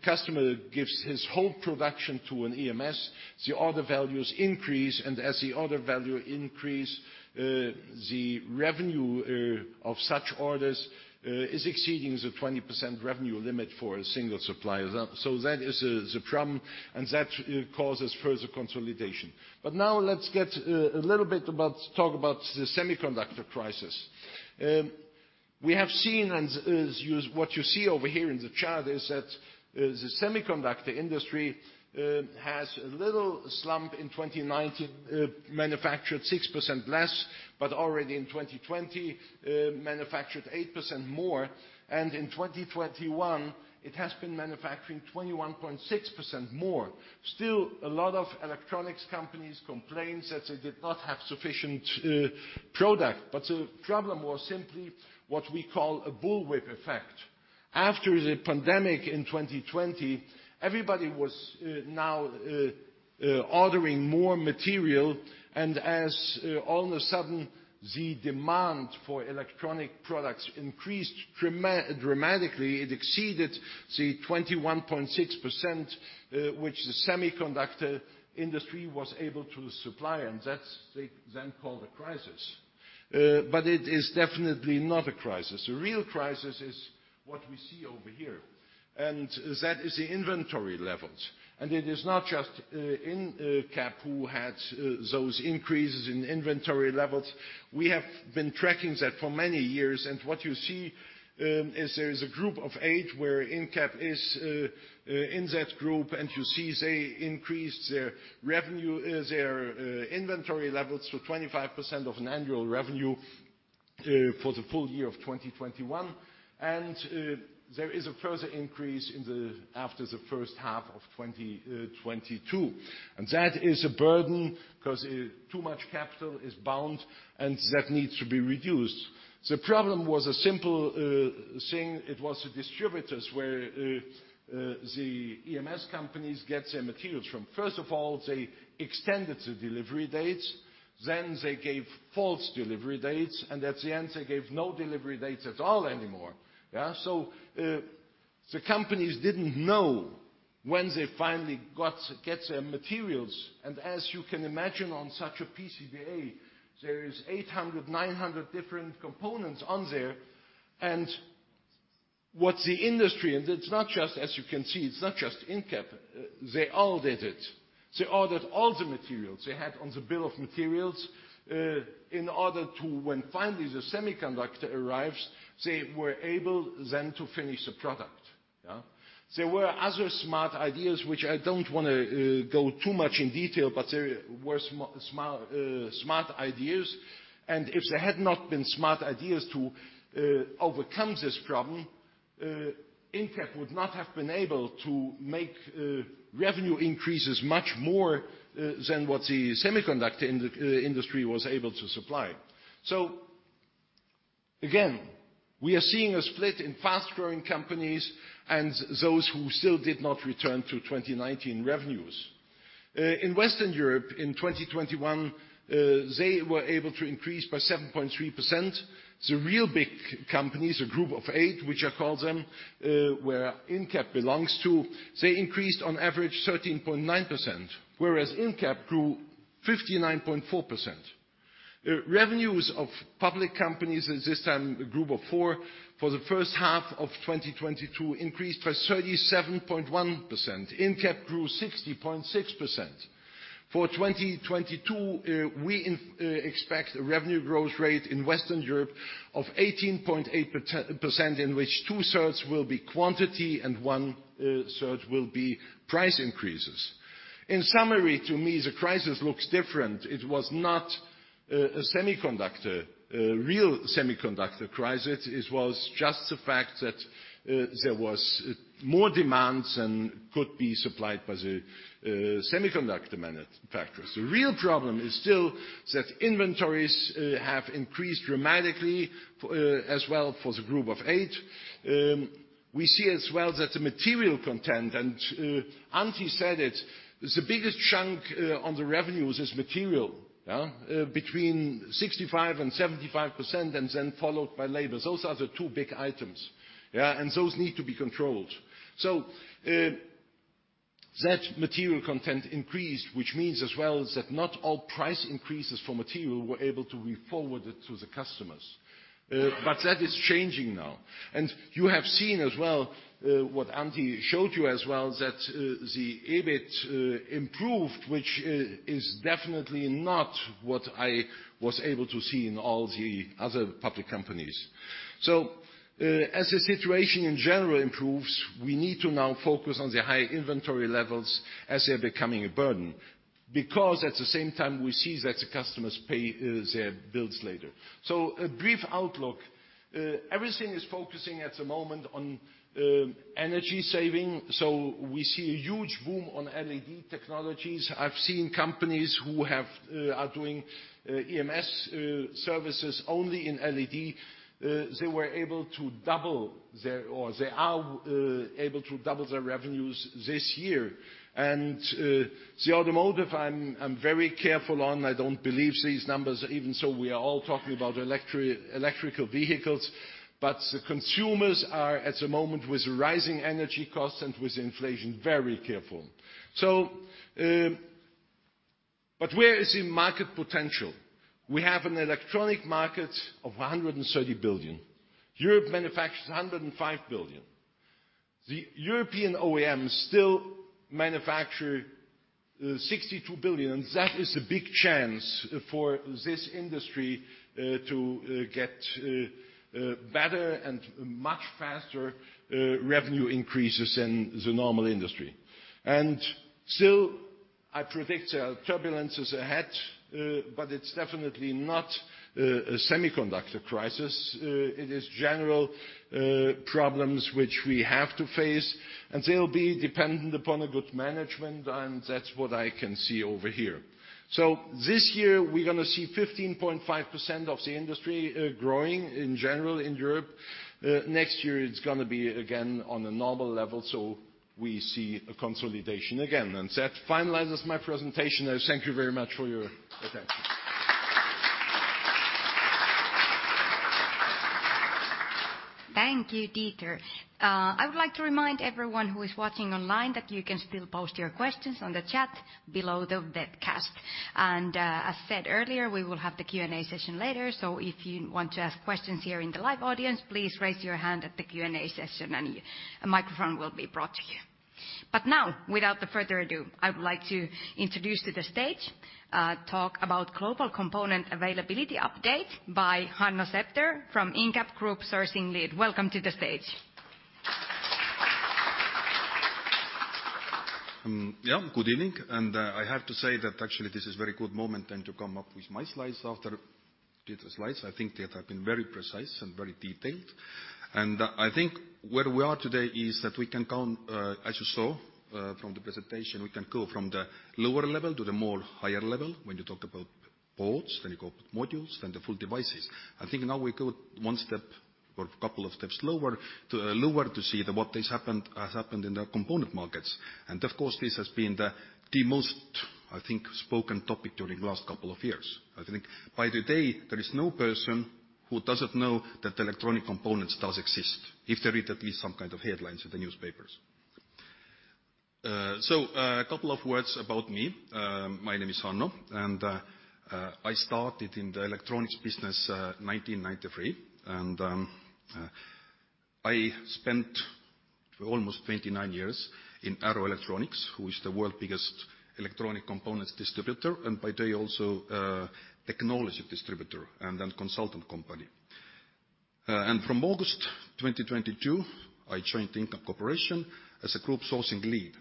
customer gives his whole production to an EMS, the order values increase, and as the order value increase, the revenue of such orders is exceeding the 20% revenue limit for a single supplier. That is the problem, and that causes further consolidation. Now let's talk about the semiconductor crisis. We have seen and what you see over here in the chart is that the semiconductor industry has a little slump in 2019, manufactured 6% less, but already in 2020, manufactured 8% more. In 2021, it has been manufacturing 21.6% more. Still, a lot of electronics companies complained that they did not have sufficient product. The problem was simply what we call a bullwhip effect. After the pandemic in 2020, everybody was now ordering more material. As all of a sudden, the demand for electronic products increased dramatically, it exceeded the 21.6% which the semiconductor industry was able to supply. They then call the crisis. It is definitely not a crisis. The real crisis is what we see over here, and that is the inventory levels. It is not just Incap who had those increases in inventory levels. We have been tracking that for many years. What you see is there is a group of eight where Incap is in that group, and you see they increased their inventory levels to 25% of an annual revenue for the full year of 2021. There is a further increase after the first half of 2022. That is a burden 'cause too much capital is bound, and that needs to be reduced. The problem was a simple thing. It was the distributors where the EMS companies get their materials from. First of all, they extended the delivery dates, then they gave false delivery dates, and at the end they gave no delivery dates at all anymore. Yeah. The companies didn't know when they finally get their materials. As you can imagine on such a PCBA, there is 800, 900 different components on there. It's not just, as you can see, it's not just Incap, they all did it. They ordered all the materials they had on the bill of materials in order to when finally the semiconductor arrives, they were able then to finish the product. Yeah. There were other smart ideas which I don't wanna go too much in detail, but there were smart ideas. If there had not been smart ideas to overcome this problem, Incap would not have been able to make revenue increases much more than what the semiconductor industry was able to supply. Again, we are seeing a split in fast-growing companies and those who still did not return to 2019 revenues. In Western Europe in 2021, they were able to increase by 7.3%. The real big companies, a group of eight, which I call them, where Incap belongs to, they increased on average 13.9%, whereas Incap grew 59.4%. Revenues of public companies at this time, a group of four for the first half of 2022 increased by 37.1%. Incap grew 60.6%. For 2022, we expect a revenue growth rate in Western Europe of 18.8%, in which 2/3 will be quantity and 1/3 will be price increases. In summary, to me, the crisis looks different. It was not a real semiconductor crisis. It was just the fact that there was more demands than could be supplied by the semiconductor manufacturers. The real problem is still that inventories have increased dramatically for as well for the group of eight. We see as well that the material content, and Antti said it, the biggest chunk on the revenues is material, yeah. Between 65% and 75%, and then followed by labor. Those are the two big items. Yeah. Those need to be controlled. That material content increased, which means as well that not all price increases for material were able to be forwarded to the customers. That is changing now. You have seen as well what Antti showed you as well, that the EBIT improved, which is definitely not what I was able to see in all the other public companies. As the situation in general improves, we need to now focus on the high inventory levels as they're becoming a burden, because at the same time we see that the customers pay their bills later. A brief outlook. Everything is focusing at the moment on energy saving. We see a huge boom on LED technologies. I've seen companies who are doing EMS services only in LED. They are able to double their revenues this year. The automotive, I'm very careful on, I don't believe these numbers, even so we are all talking about electrical vehicles. The consumers are at the moment with rising energy costs and with inflation, very careful. Where is the market potential? We have an electronic market of 130 billion. Europe manufactures 105 billion. The European OEMs still manufacture 62 billion, and that is a big chance for this industry to get better and much faster revenue increases than the normal industry. Still, I predict turbulences ahead, but it's definitely not a semiconductor crisis. It is general problems which we have to face, and they'll be dependent upon a good management, and that's what I can see over here. This year we're gonna see 15.5% of the industry growing in general in Europe. Next year it's gonna be again on a normal level, so we see a consolidation again. That finalizes my presentation. I thank you very much for your attention.
Thank you, Dieter. I would like to remind everyone who is watching online that you can still post your questions on the chat below the webcast. As said earlier, we will have the Q&A session later. If you want to ask questions here in the live audience, please raise your hand at the Q&A session, and a microphone will be brought to you. Now without the further ado, I would like to introduce to the stage talk about global component availability update by Hanno Septer from Incap Group Sourcing Lead. Welcome to the stage.
Yeah, good evening. I have to say that actually this is very good moment then to come up with my slides after Dieter slides. I think Dieter have been very precise and very detailed. I think where we are today is that we can count, as you saw from the presentation, we can go from the lower level to the more higher level. When you talk about boards, then you go up modules, then the full devices. I think now we go one step or a couple of steps lower to see that what has happened in the component markets. Of course, this has been the most, I think, spoken topic during last couple of years. I think by today there is no person who doesn't know that electronic components does exist, if they read at least some kind of headlines in the newspapers. A couple of words about me. My name is Hanno, and I started in the electronics business 1993. I spent almost 29 years in Arrow Electronics, who is the world biggest electronic components distributor, and by today also technology distributor and then consultant company. From August 2022, I joined Incap Corporation as a Group Sourcing Lead.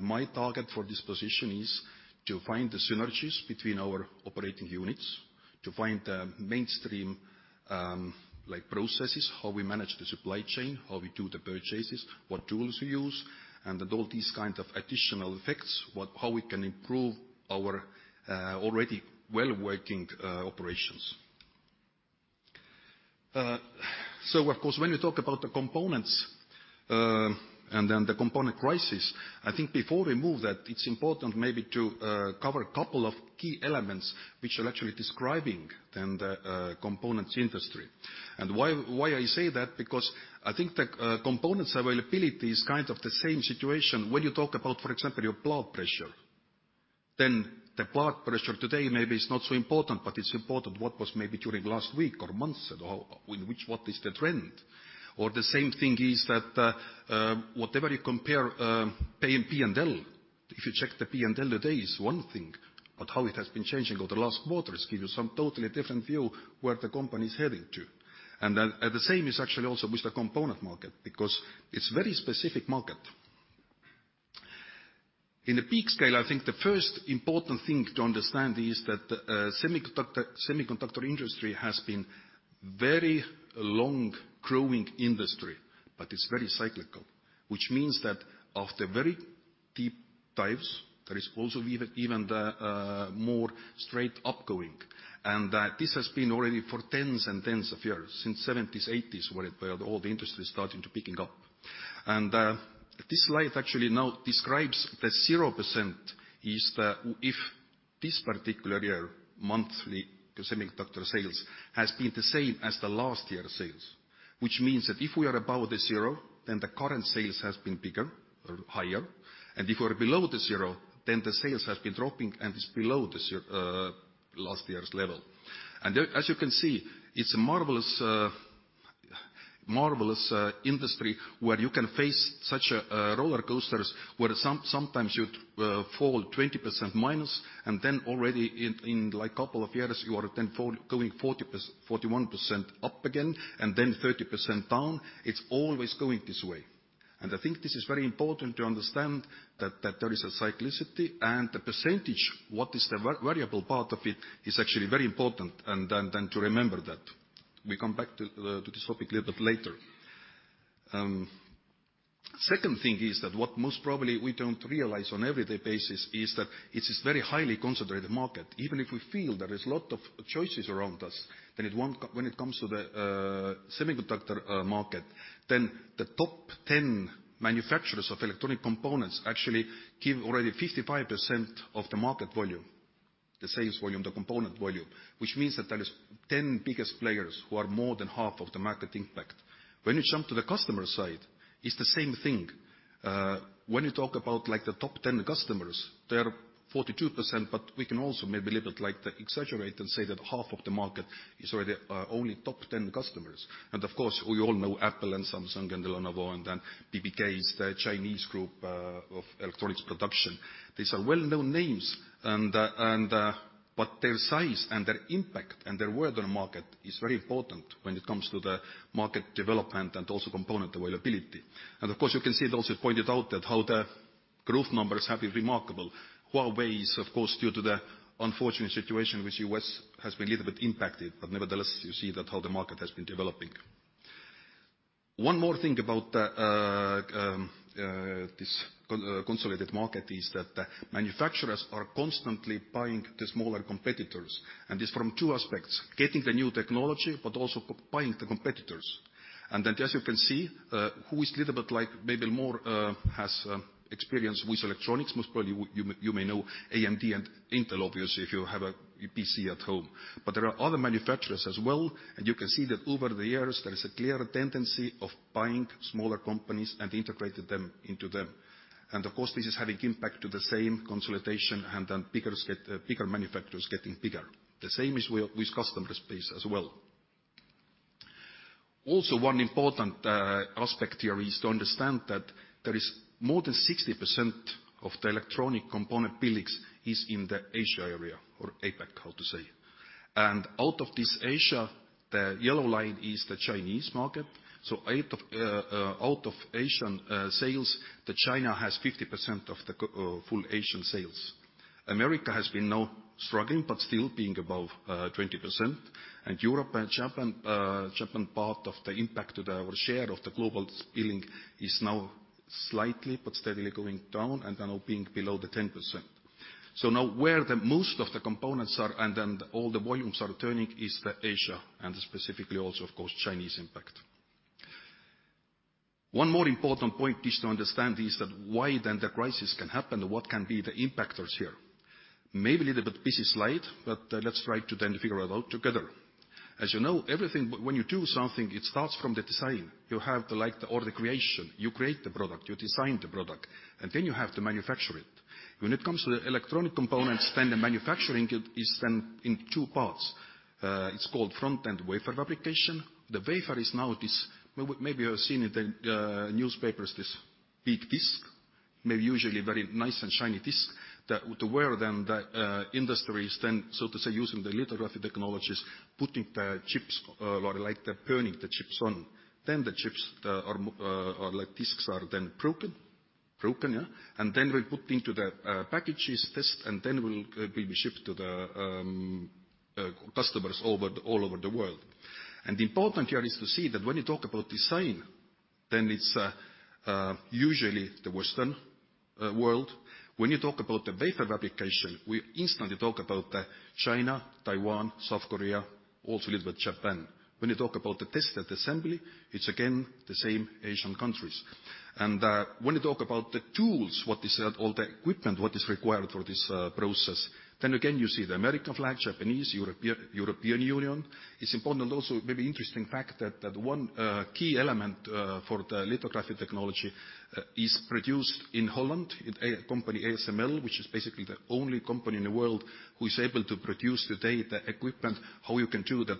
My target for this position is to find the synergies between our operating units, to find the mainstream, like processes, how we manage the supply chain, how we do the purchases, what tools we use, and all these kind of additional effects. How we can improve our already well-working operations. Of course, when you talk about the components and then the component crisis, I think before we move that, it's important maybe to cover a couple of key elements which are actually describing then the components industry. Why I say that? Because I think the components availability is kind of the same situation when you talk about, for example, your blood pressure. The blood pressure today maybe is not so important, but it's important what was maybe during last week or months ago, what is the trend. The same thing is that whatever you compare, P&L. If you check the P&L today is one thing, but how it has been changing over the last quarters give you some totally different view where the company is heading to. The same is actually also with the component market because it's very specific market. In a big scale, I think the first important thing to understand is that the semiconductor industry has been very long-growing industry, but it's very cyclical. Which means that after very deep dives, there is also even the more straight up going. That this has been already for tens and tens of years, since 1970s, 1980s, where all the industries started to picking up. This slide actually now describes the 0%. If this particular year, monthly semiconductor sales has been the same as the last year sales. Which means that if we are above 0, then the current sales has been bigger or higher. If we're below 0, then the sales has been dropping and is below 0 last year's level. As you can see, it's a marvelous industry where you can face such a roller coasters where sometimes you'd fall 20% minus and then already in like couple of years you are then going 40%, 41% up again and then 30% down. It's always going this way. I think this is very important to understand that there is a cyclicity and the percentage, what is the variable part of it, is actually very important and then to remember that. We come back to this topic a little bit later. Second thing is that what most probably we don't realize on everyday basis is that it is very highly concentrated market. Even if we feel there is lot of choices around us, when it comes to the semiconductor market, then the top 10 manufacturers of electronic components actually give already 55% of the market volume, the sales volume, the component volume. Which means that there is 10 biggest players who are more than half of the market impact. When you jump to the customer side, it's the same thing. When you talk about like the top 10 customers, they are 42%, but we can also maybe a little bit like exaggerate and say that half of the market is already only top 10 customers. Of course, we all know Apple and Samsung and Lenovo and then BBK's, the Chinese group of electronics production. These are well-known names. Their size and their impact and their worth on the market is very important when it comes to the market development and also component availability. Of course, you can see it also pointed out that how the growth numbers have been remarkable. Huawei is, of course, due to the unfortunate situation with U.S. has been a little bit impacted, but nevertheless you see that how the market has been developing. One more thing about this consolidated market is that manufacturers are constantly buying the smaller competitors. This is from two aspects, getting the new technology but also buying the competitors. As you can see, who is little bit like maybe more has experience with electronics, most probably you may know AMD and Intel, obviously, if you have a PC at home. There are other manufacturers as well. You can see that over the years there is a clear tendency of buying smaller companies and integrated them into them. Of course, this is having impact to the same consolidation and then bigger manufacturers getting bigger. The same is with customer space as well. Also, one important aspect here is to understand that there is more than 60% of the electronic component billings is in the Asia area or APAC, how to say. Out of this Asia, the yellow line is the Chinese market. Out of Asian sales, the China has 50% of the full Asian sales. America has been now struggling but still being above 20%. Europe and Japan part of the impact to our share of the global billing is now slightly but steadily going down and now being below the 10%. Now where the most of the components are and then all the volumes are turning is the Asia and specifically also, of course, Chinese impact. One more important point is to understand is that why then the crisis can happen or what can be the impactors here. Maybe little bit busy slide, but let's try to then figure it out together. As you know, everything but when you do something, it starts from the design. You have to like the order creation. You create the product. You design the product, and then you have to manufacture it. When it comes to the electronic components, then the manufacturing it is then in two parts. It's called front-end wafer fabrication. The wafer is now this. Maybe you have seen it in newspapers, this big disk, maybe usually very nice and shiny disk where the industries then, so to say, using the lithography technologies, putting the chips or like they're burning the chips on. The chips or like disks are then broken. Broken, yeah. We put into the packages test, and it will be shipped to the customers all over the world. Important here is to see that when you talk about design, then it's usually the Western world. When you talk about the wafer fabrication, we instantly talk about China, Taiwan, South Korea, also little bit Japan. When you talk about the test and assembly, it's again, the same Asian countries. When you talk about the tools, what is that all the equipment, what is required for this process, then again, you see the American flag, Japanese, European Union. It's important also, very interesting fact that one key element for the lithography technology is produced in Holland in a company ASML, which is basically the only company in the world who is able to produce today the equipment, how you can do the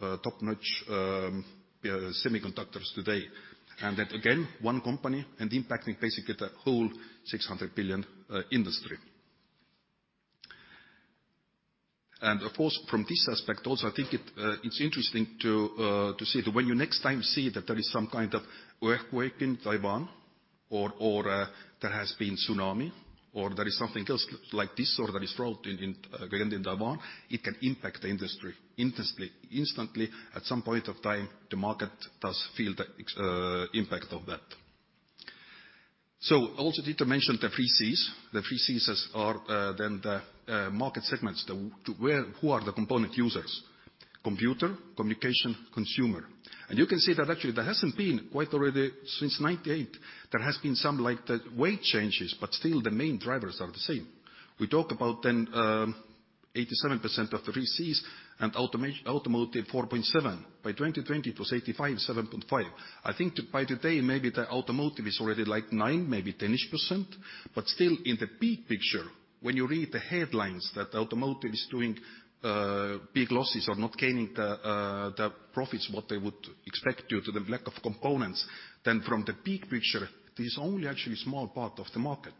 top-notch semiconductors today. That again, one company and impacting basically the whole $600 billion industry. Of course, from this aspect also, I think it's interesting to see that when you next time see that there is some kind of earthquake in Taiwan or there has been tsunami or there is something else like this or there is drought in again in Taiwan, it can impact the industry instantly. At some point of time, the market does feel the impact of that. Also Dieter mention the three Cs. The three Cs are the market segments, who are the component users, computer, communication, consumer. You can see that actually there hasn't been quite already since 1998, there has been some like the weight changes, but still the main drivers are the same. We talk about then 87% of the three Cs and automotive 4.7%. By 2020, it was 85%, 7.5%. I think by today, maybe the automotive is already like 9%, maybe 10-ish%. Still in the big picture, when you read the headlines that automotive is doing big losses or not gaining the profits what they would expect due to the lack of components, then from the big picture, this is only actually small part of the market.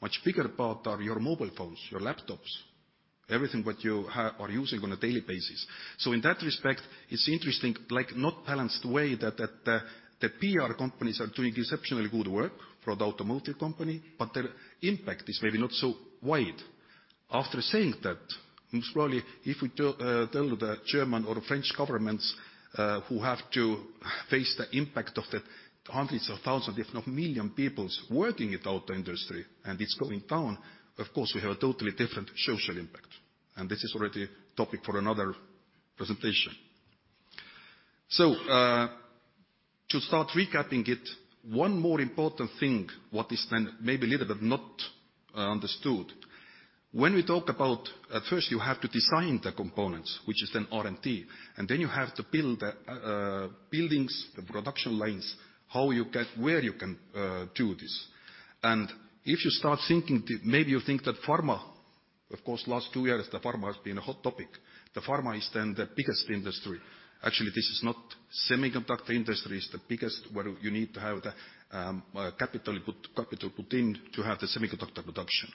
Much bigger part are your mobile phones, your laptops, everything what you are using on a daily basis. In that respect, it's interesting, like not balanced way that the P.R. companies are doing exceptionally good work for the automotive company, but their impact is maybe not so wide. After saying that, most probably if we tell the German or French governments who have to face the impact of the hundreds of thousands, if not million peoples working at auto industry and it's going down, of course, we have a totally different social impact. This is already topic for another presentation. To start recapping it, one more important thing, what is then maybe little bit not understood. When we talk about at first you have to design the components, which is then R&D, and then you have to build buildings, the production lines, how you get, where you can do this. If you start thinking, maybe you think that pharma, of course, last two years, the pharma has been a hot topic. The pharma is then the biggest industry. Actually, this is not. Semiconductor industry is the biggest where you need to have the capital put in to have the semiconductor production.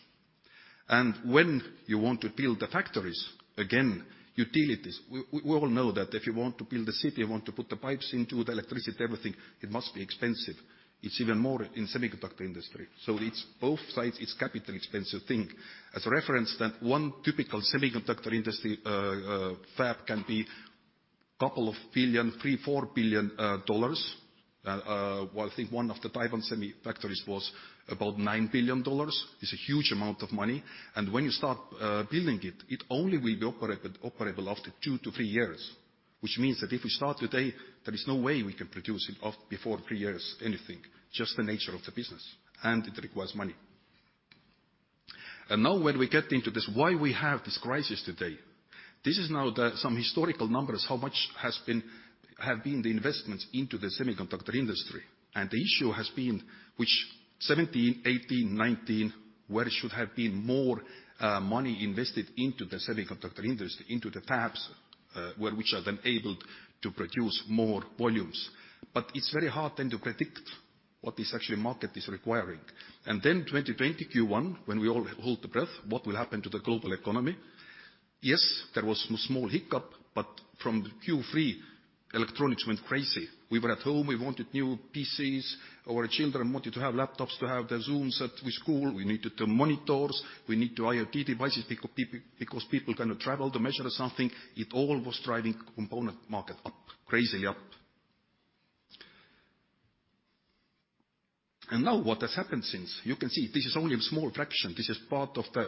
When you want to build the factories, again, utilities. We all know that if you want to build a city, you want to put the pipes into the electricity, everything, it must be expensive. It's even more in semiconductor industry. It's both sides, it's capital expensive thing. As a reference then, one typical semiconductor industry fab can be $2 billion, $3 billion-$4 billion. Well, I think one of the Taiwan Semi factories was about $9 billion. It's a huge amount of money. When you start building it only will be operable after 2-3 years. Means that if we start today, there is no way we can produce it off before three years anything, just the nature of the business, and it requires money. When we get into this, why we have this crisis today? This is now the some historical numbers, how much have been the investments into the semiconductor industry. The issue has been which 2017, 2018, 2019, where should have been more money invested into the semiconductor industry, into the fabs, where which are then able to produce more volumes. It's very hard then to predict what is actually market is requiring. 2020 Q1, when we all hold the breath, what will happen to the global economy? Yes, there was a small hiccup, but from Q3, electronics went crazy. We were at home, we wanted new PCs, our children wanted to have laptops to have their Zooms at with school. We needed the monitors. We need the IoT devices because people cannot travel to measure something. It all was driving component market up, crazy up. Now what has happened since, you can see this is only a small fraction. This is part of the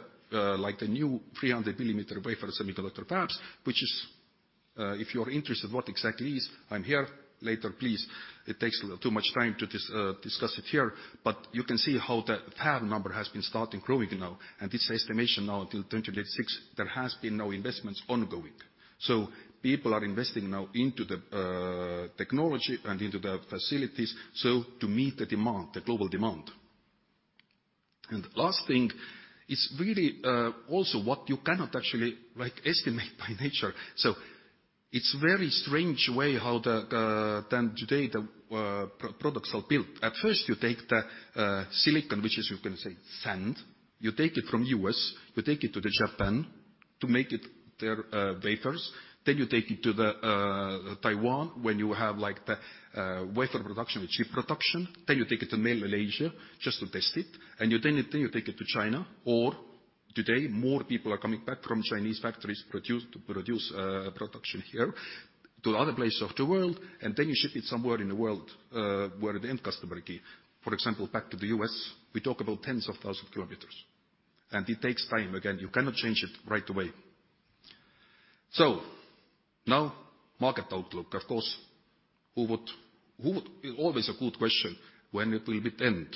like the new 300 mm wafer semiconductor fabs, which is if you're interested what exactly is, I'm here later, please. It takes a little too much time to discuss it here. You can see how the fab number has been starting growing now. This estimation now until 2026, there has been no investments ongoing. People are investing now into the technology and into the facilities, so to meet the global demand. Last thing is really also what you cannot actually like estimate by nature. It's very strange way how today the products are built. At first you take the silicon, which is you can say sand. You take it from U.S., you take it to the Japan to make it their wafers. You take it to the Taiwan when you have like the wafer production, the chip production. You take it to Malaysia just to test it. You then take it to China, or today more people are coming back from Chinese factories to produce production here to other places of the world. You ship it somewhere in the world where the end customer key. For example, back to the U.S., we talk about tens of 1,000 km. It takes time again, you cannot change it right away. Now market outlook, of course, always a good question, when will it end?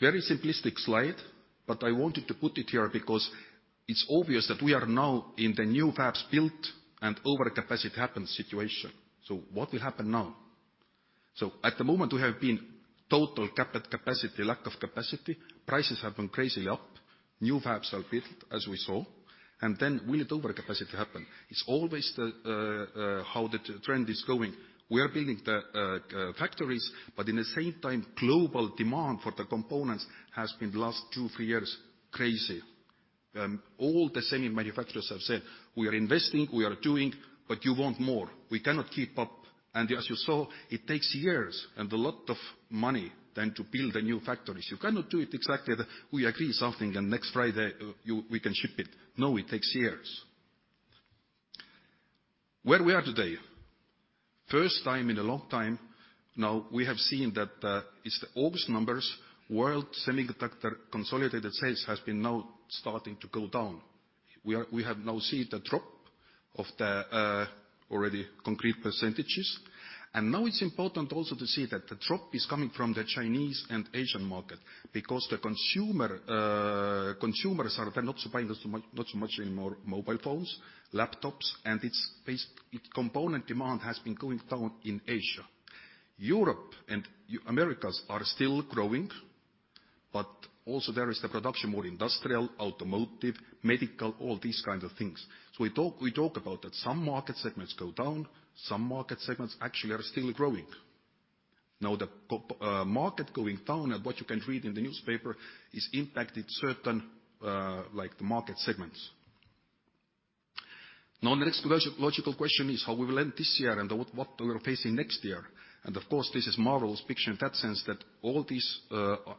Very simplistic slide, but I wanted to put it here because it's obvious that we are now in the new fabs built and overcapacity happens situation. What will happen now? At the moment we have been total capacity, lack of capacity. Prices have been crazily up. New fabs are built, as we saw. Will overcapacity happen? It's always the how the trend is going. We are building the factories, but in the same time, global demand for the components has been the last 2-3 years crazy. All the semi manufacturers have said, "We are investing, we are doing," but you want more. We cannot keep up. As you saw, it takes years and a lot of money then to build the new factories. You cannot do it exactly. We agree something and next Friday we can ship it. No, it takes years. Where we are today, first time in a long time, now we have seen that it's the August numbers, world semiconductor consolidated sales has been now starting to go down. We have now seen the drop of the already concrete percentages. Now it's important also to see that the drop is coming from the Chinese and Asian market because the consumers are then not buying so much anymore mobile phones, laptops, and its component demand has been going down in Asia. Europe and Americas are still growing, but also there is the production, more industrial, automotive, medical, all these kinds of things. We talk about that some market segments go down, some market segments actually are still growing. Now the market going down and what you can read in the newspaper has impacted certain like the market segments. Now the next logical question is how we will end this year and what we're facing next year. Of course, this is marvelous picture in that sense that all these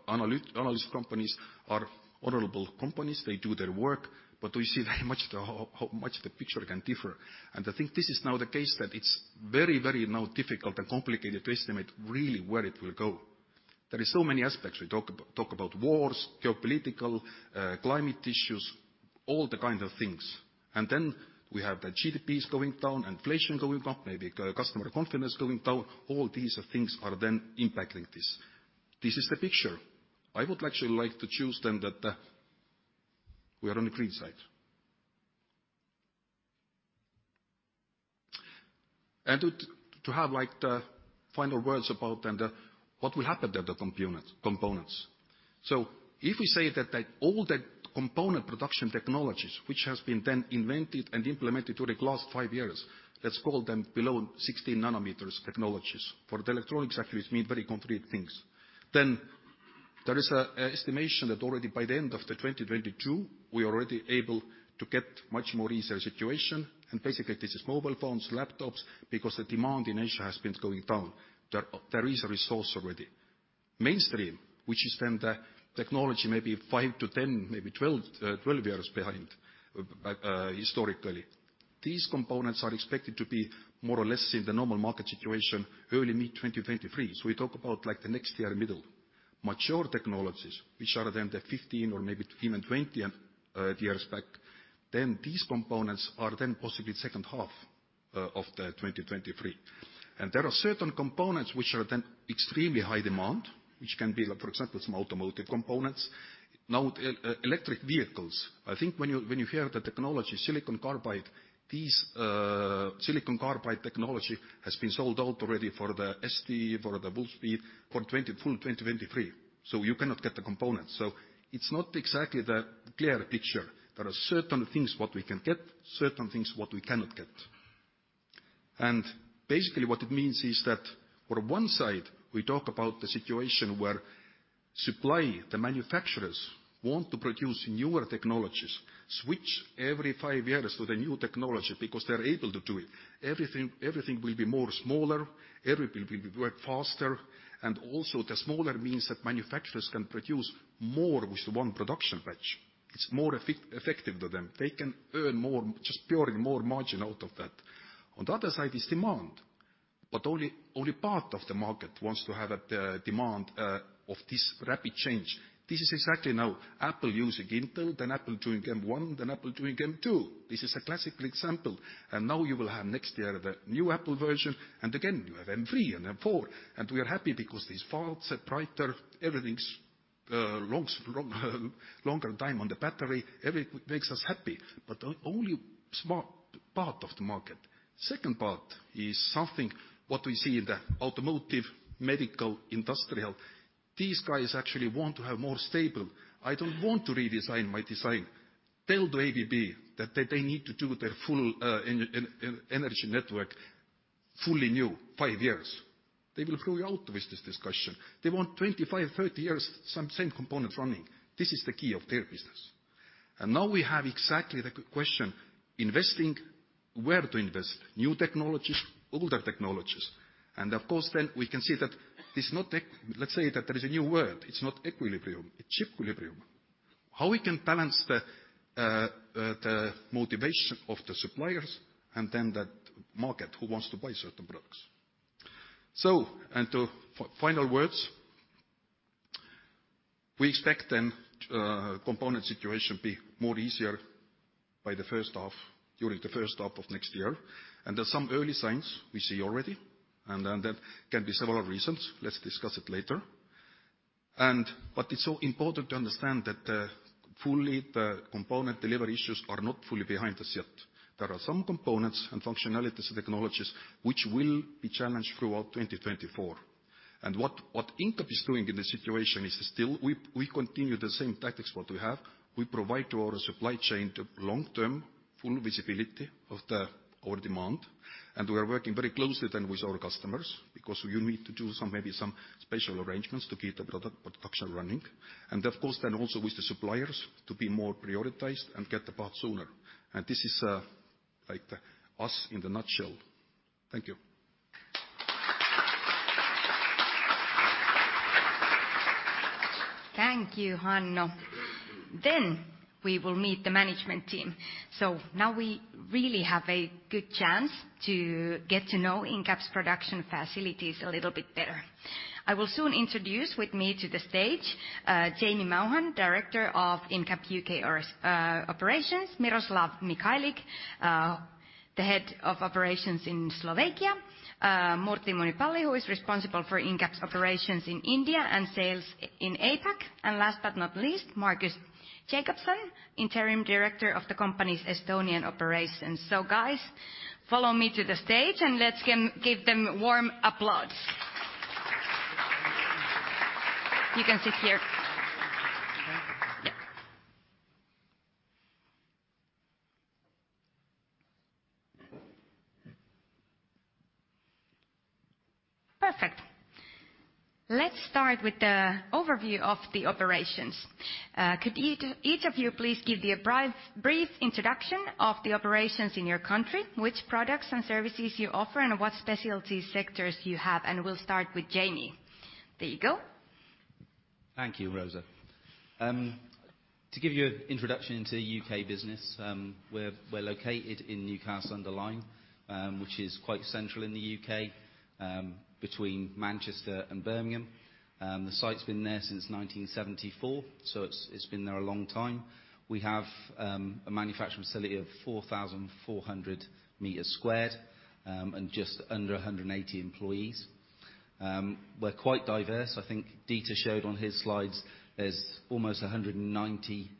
analyst companies are honorable companies. They do their work, but we see very much how much the picture can differ. I think this is now the case that it's very now difficult and complicated to estimate really where it will go. There is so many aspects. We talk about wars, geopolitical, climate issues, all the kind of things. We have the GDPs going down, inflation going up, maybe customer confidence going down. All these things are then impacting this. This is the picture. I would actually like to choose then that we are on the green side. To have like the final words about then what will happen to the components. If we say that all the component production technologies which has been then invented and implemented during last five years, let's call them below 60 nm technologies, for the electronics actually it mean very concrete things. There is an estimation that already by the end of 2022, we're already able to get much more easier situation. Basically, this is mobile phones, laptops, because the demand in Asia has been going down. There is a resource already. Mainstream, which is then the technology maybe 5-10, maybe 12 years behind historically. These components are expected to be more or less in the normal market situation early mid-2023. We talk about like the next year middle. Mature technologies, which are then the 15 or maybe even 20 years back, then these components are then possibly second half of the 2023. There are certain components which are then extremely high demand, which can be like for example, some automotive components. Now electric vehicles, I think when you hear the technology silicon carbide, these silicon carbide technology has been sold out already for the ST, for the Wolfspeed, for full 2023. You cannot get the components. It's not exactly the clear picture. There are certain things what we can get, certain things what we cannot get. Basically what it means is that on one side, we talk about the situation where supply, the manufacturers want to produce newer technologies, switch every five years to the new technology because they're able to do it. Everything will be more smaller. Everything will be work faster. Also the smaller means that manufacturers can produce more with one production batch. It's more effective to them. They can earn more, just purely more margin out of that. On the other side is demand. Only part of the market wants to have the demand of this rapid change. This is exactly now Apple using Intel, then Apple doing M1, then Apple doing M2. This is a classical example. Now you will have next year the new Apple version, and again, you have M3 and M4. We are happy because it's faster, brighter, everything's longer time on the battery. Makes us happy. Only small part of the market. Second part is something what we see in the automotive, medical, industrial. These guys actually want to have more stable. I don't want to redesign my design. Tell to ABB that they need to do their full energy network fully new five years. They will throw you out with this discussion. They want 25, 30 years, some same components running. This is the key of their business. Now we have exactly the question, investing, where to invest? New technologies, older technologies. Of course we can see that. Let's say that there is a new word, it's not equilibrium, it's chequilibrium. How we can balance the motivation of the suppliers and then the market who wants to buy certain products? To final words, we expect then component situation be more easier by the first half, during the first half of next year. There's some early signs we see already, and then that can be several reasons. Let's discuss it later. It's so important to understand that fully the component delivery issues are not fully behind us yet. There are some components and functionalities and technologies which will be challenged throughout 2024. What Incap is doing in this situation is still we continue the same tactics what we have. We provide to our supply chain the long-term full visibility of our demand. We are working very closely then with our customers, because you need to do some, maybe some special arrangements to keep the product production running. Of course then also with the suppliers to be more prioritized and get the part sooner. This is like us in a nutshell. Thank you.
Thank you, Hanno. We will meet the management team. Now we really have a good chance to get to know Incap's production facilities a little bit better. I will soon introduce with me to the stage Jamie Maughan, Director of Incap U.K. operations, Miroslav Michalik, the Head of Operations in Slovakia, Murthy Munipalli, who is responsible for Incap's operations in India and sales in APAC, and last but not least, Margus Jakobson, Interim Director of the company's Estonian operations. Guys, follow me to the stage, and let's give them warm applause. You can sit here. Yeah. Perfect. Let's start with the overview of the operations. Could each of you please give a brief introduction of the operations in your country, which products and services you offer, and what specialty sectors you have? We'll start with Jamie. There you go.
Thank you, Rosa. To give you introduction into U.K. business, we're located in Newcastle-under-Lyme, which is quite central in the U.K., between Manchester and Birmingham. The site's been there since 1974. It's been there a long time. We have a manufacturing facility of 4,400 m squared and just under 180 employees. We're quite diverse. I think Dieter showed on his slides there's almost 190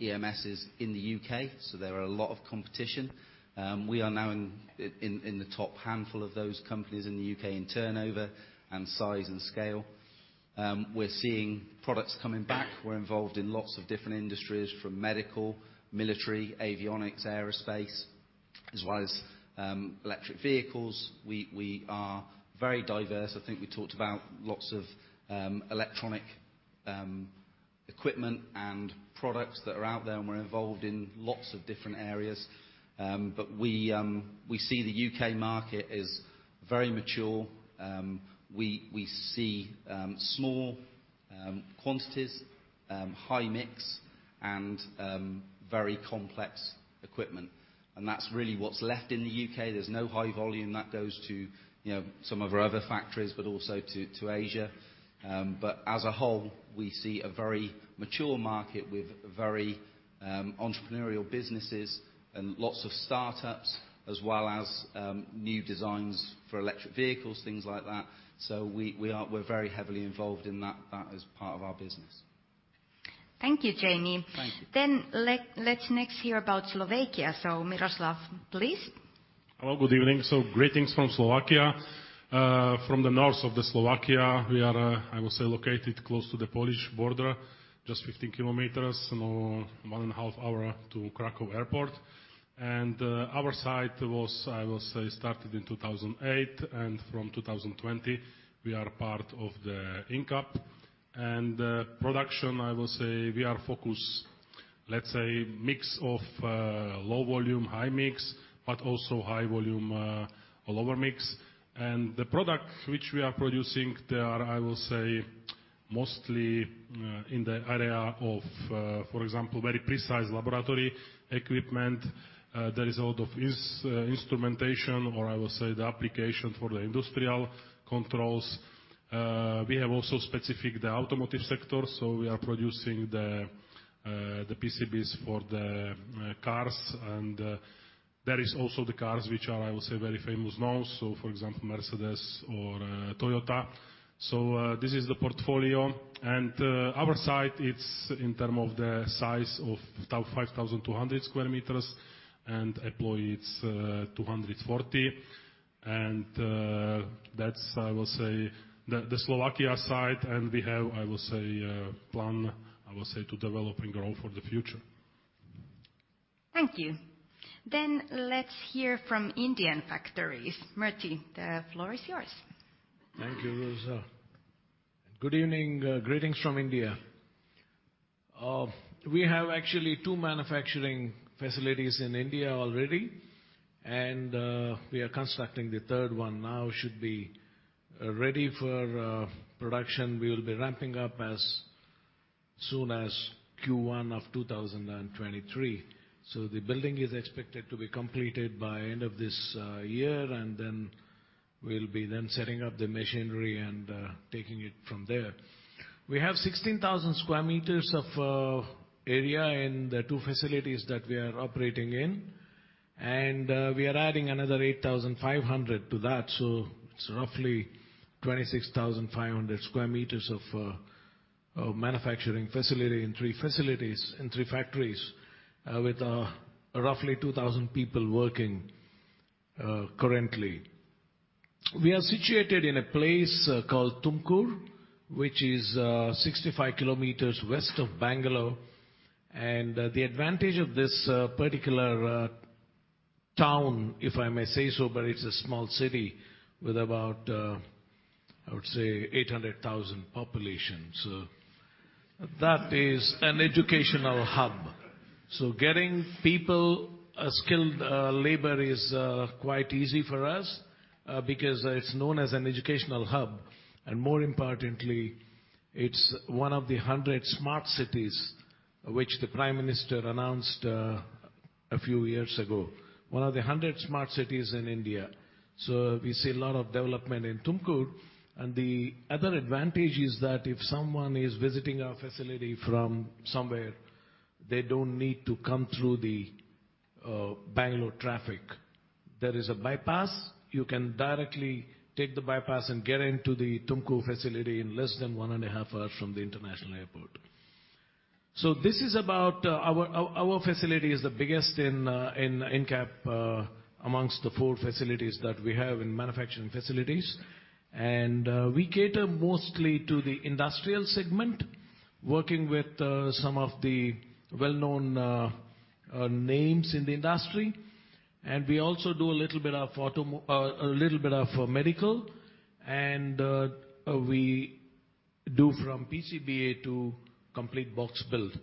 EMSs in the U.K. There are a lot of competition. We are now in the top handful of those companies in the U.K. in turnover and size and scale. We're seeing products coming back. We're involved in lots of different industries, from medical, military, avionics, aerospace, as well as electric vehicles. We are very diverse. I think we talked about lots of electronic equipment and products that are out there, and we're involved in lots of different areas. We see the U.K. market as very mature. We see small quantities, high mix, and very complex equipment. That's really what's left in the U.K. There's no high volume that goes to, you know, some of our other factories, but also to Asia. As a whole, we see a very mature market with very entrepreneurial businesses and lots of startups, as well as new designs for electric vehicles, things like that. We're very heavily involved in that as part of our business.
Thank you, Jamie.
Thank you.
Let's next hear about Slovakia, so Miroslav, please.
Hello, good evening. Greetings from Slovakia. From the north of the Slovakia. We are, I will say located close to the Polish border, just 15 km, you know, one and a half hour to Kraków Airport. Our site was, I will say, started in 2008, and from 2020, we are part of Incap. Production, I will say, we are focused, let's say mix of low volume, high mix, but also high volume or lower mix. The product which we are producing there, I will say, mostly in the area of, for example, very precise laboratory equipment. There is a lot of instrumentation or I will say the application for the industrial controls. We have also specific the automotive sector, so we are producing the PCBs for the cars. There is also the cars which are, I will say, very famous known, so for example, Mercedes-Benz or Toyota. This is the portfolio. Our site, it's in term of the size of 5,200 sq m and employees, 240. That's, I will say the Slovakia site. We have, I will say, plan, I will say to develop and grow for the future.
Thank you. Let's hear from Indian factories. Murthy, the floor is yours.
Thank you, Rosa. Good evening. Greetings from India. We have actually two manufacturing facilities in India already, and we are constructing the third one now. Should be ready for production. We will be ramping up as soon as Q1 of 2023. The building is expected to be completed by end of this year, and then we'll be then setting up the machinery and taking it from there. We have 16,000 sq m of area in the two facilities that we are operating in, and we are adding another 8,500 to that. It's roughly 26,500 sq m of manufacturing facility in three facilities, in three factories, with roughly 2,000 people working currently. We are situated in a place called Tumkur, which is 65 km west of Bangalore. The advantage of this particular town, if I may say so, but it's a small city with about I would say 800,000 population. That is an educational hub. Getting people a skilled labor is quite easy for us because it's known as an educational hub. More importantly, it's one of the 100 smart cities which the Prime Minister announced a few years ago, one of the 100 smart cities in India. We see a lot of development in Tumkur. The other advantage is that if someone is visiting our facility from somewhere, they don't need to come through the Bangalore traffic. There is a bypass. You can directly take the bypass and get into the Tumkur facility in less than one and a half hour from the international airport. Our facility is the biggest in Incap amongst the four facilities that we have in manufacturing facilities. We cater mostly to the industrial segment, working with some of the well-known names in the industry. We also do a little bit of medical and we do from PCBA to complete box build.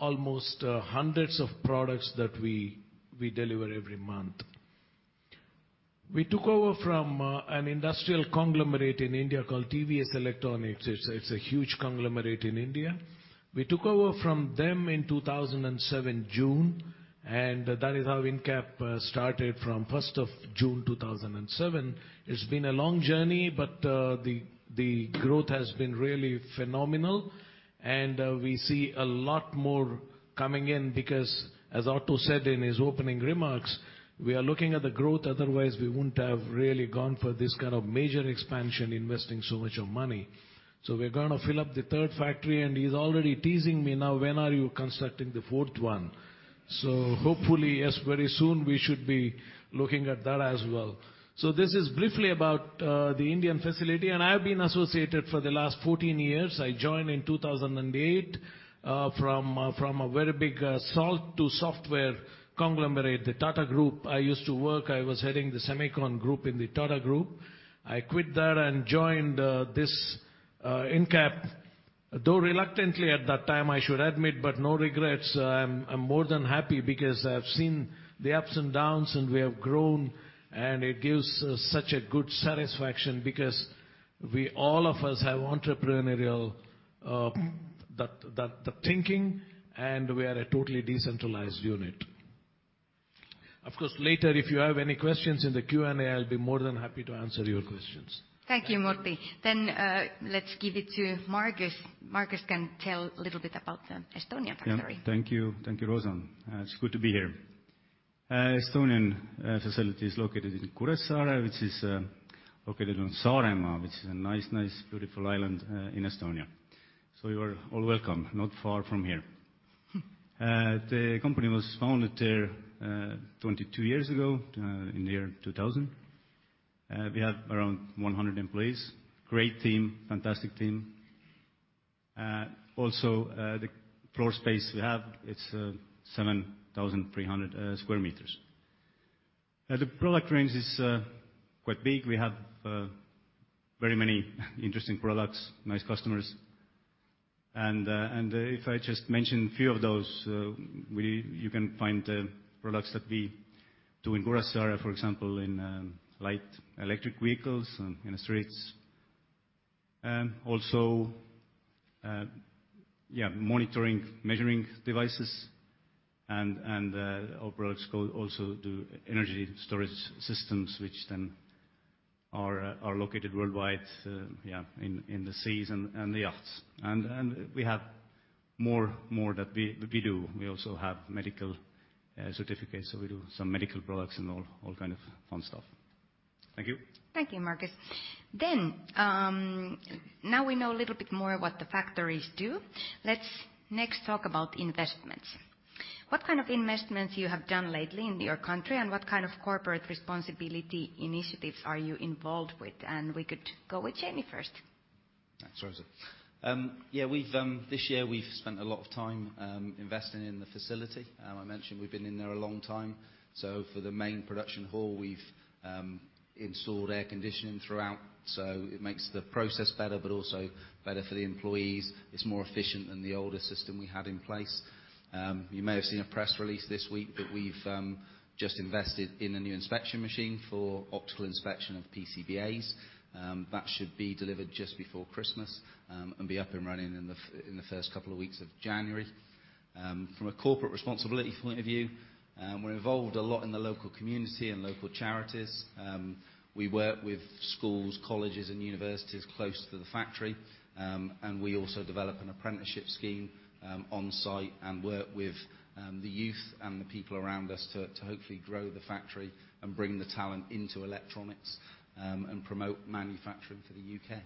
Almost hundreds of products that we deliver every month. We took over from an industrial conglomerate in India called TVS Electronics. It's a huge conglomerate in India. We took over from them in 2007, June, and that is how Incap started from 1st of June 2007. It's been a long journey, but the growth has been really phenomenal and we see a lot more coming in because as Otto said in his opening remarks, we are looking at the growth, otherwise we wouldn't have really gone for this kind of major expansion, investing so much of money. We're gonna fill up the third factory, and he's already teasing me now, "When are you constructing the fourth one?" Hopefully, yes, very soon we should be looking at that as well. This is briefly about the Indian facility, and I have been associated for the last 14 years. I joined in 2008 from a very big salt to software conglomerate, the Tata Group. I was heading the Semicon group in the Tata Group. I quit that and joined this Incap, though reluctantly at that time I should admit, but no regrets. I'm more than happy because I've seen the ups and downs, and we have grown, and it gives such a good satisfaction because we all of us have entrepreneurial thinking and we are a totally decentralized unit. Of course, later, if you have any questions in the Q&A, I'll be more than happy to answer your questions.
Thank you, Murthy. Let's give it to Margus. Margus can tell a little bit about the Estonia factory.
Yeah. Thank you, Rosa. It's good to be here. Estonian facility is located in Kuressaare, which is located on Saaremaa, which is a nice beautiful island in Estonia. You're all welcome. Not far from here. The company was founded there 22 years ago in the year 2000. We have around 100 employees. Great team, fantastic team. Also, the floor space we have, it's 7,300 sq m. The product range is quite big. We have very many interesting products, nice customers. If I just mention a few of those, you can find the products that we do in Kuressaare, for example, in light electric vehicles and in the streets. Also, yeah, monitoring measuring devices and our products go also to energy storage systems, which then are located worldwide, yeah, in the seas and the yachts. We have more that we do. We also have medical certificates, so we do some medical products and all kind of fun stuff. Thank you.
Thank you, Margus. Now we know a little bit more what the factories do. Let's next talk about investments. What kind of investments you have done lately in your country, and what kind of corporate responsibility initiatives are you involved with? We could go with Jamie first.
Thanks, Rosa. Yeah, this year we've spent a lot of time investing in the facility. I mentioned we've been in there a long time. For the main production hall, we've installed air conditioning throughout, so it makes the process better but also better for the employees. It's more efficient than the older system we had in place. You may have seen a press release this week that we've just invested in a new inspection machine for optical inspection of PCBAs. That should be delivered just before Christmas and be up and running in the first couple of weeks of January. From a corporate responsibility point of view, we're involved a lot in the local community and local charities. We work with schools, colleges and universities close to the factory. We also develop an apprenticeship scheme on-site and work with the youth and the people around us to hopefully grow the factory and bring the talent into electronics and promote manufacturing for the U.K.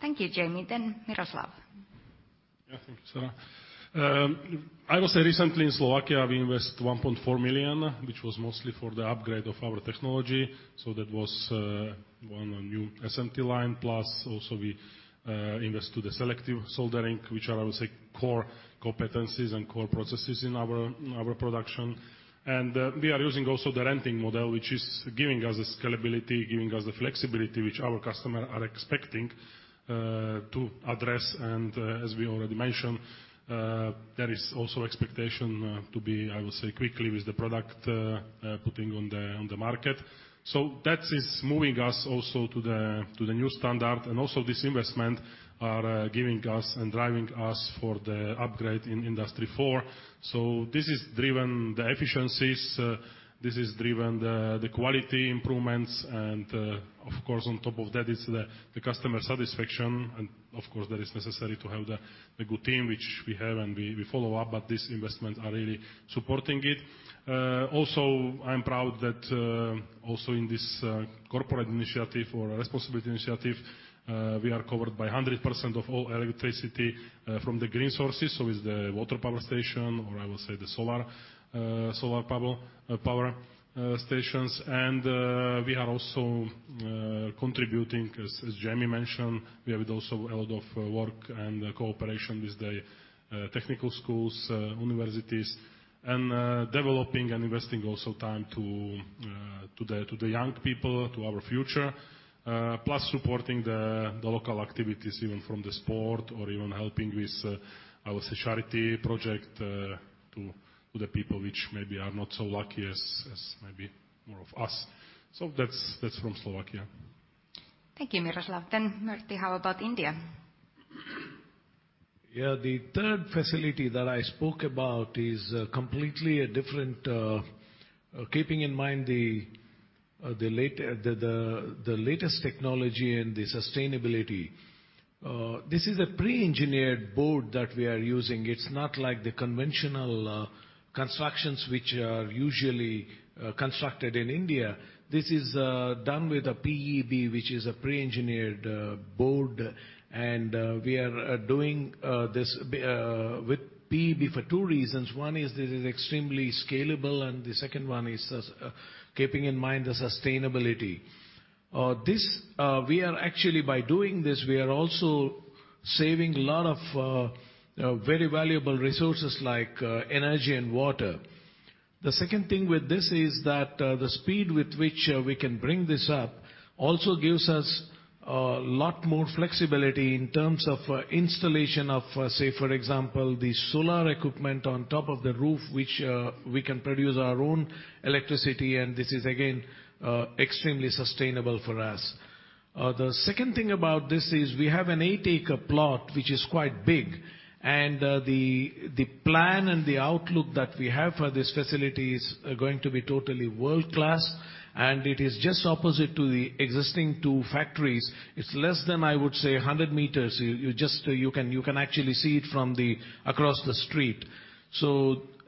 Thank you, Jamie. Miroslav.
Yeah, thank you, Rosa. I will say recently in Slovakia, we invest 1.4 million, which was mostly for the upgrade of our technology. That was one new SMT line, plus also we invest to the selective soldering which are, I would say, core competencies and core processes in our production. We are using also the renting model, which is giving us the scalability, giving us the flexibility which our customer are expecting to address. As we already mentioned, there is also expectation to be, I will say, quickly with the product putting on the market. That is moving us also to the new standard. Also this investment are giving us and driving us for the upgrade in Industry 4.0. This is driven the efficiencies. This is driven the quality improvements. Of course, on top of that is the customer satisfaction. Of course that is necessary to have the good team, which we have, and we follow up, but this investment are really supporting it. Also I'm proud that also in this corporate initiative or responsibility initiative, we are covered by 100% of all electricity from the green sources, so is the water power station or I will say the solar power stations. We are also contributing, as Jamie mentioned, we have also a lot of work and cooperation with the technical schools, universities and developing and investing also time to the young people, to our future. Plus supporting the local activities, even from the sport or even helping with our social charity project to the people which maybe are not so lucky as maybe more of us. That's from Slovakia.
Thank you, Miroslav. Murthy, how about India?
Yeah. The third facility that I spoke about is keeping in mind the latest technology and the sustainability. This is a pre-engineered board that we are using. It's not like the conventional constructions which are usually constructed in India. This is done with a PEB, which is a pre-engineered board. We are doing this with PEB for two reasons. One is this is extremely scalable, and the second one is keeping in mind the sustainability. By doing this, we are also saving a lot of very valuable resources like energy and water. The second thing with this is that the speed with which we can bring this up also gives us lot more flexibility in terms of installation of, say for example, the solar equipment on top of the roof, which we can produce our own electricity. This is again extremely sustainable for us. The second thing about this is we have an eight acre plot, which is quite big. The plan and the outlook that we have for this facility is going to be totally world-class, and it is just opposite to the existing two factories. It is less than, I would say, 100 m. You can actually see it from across the street.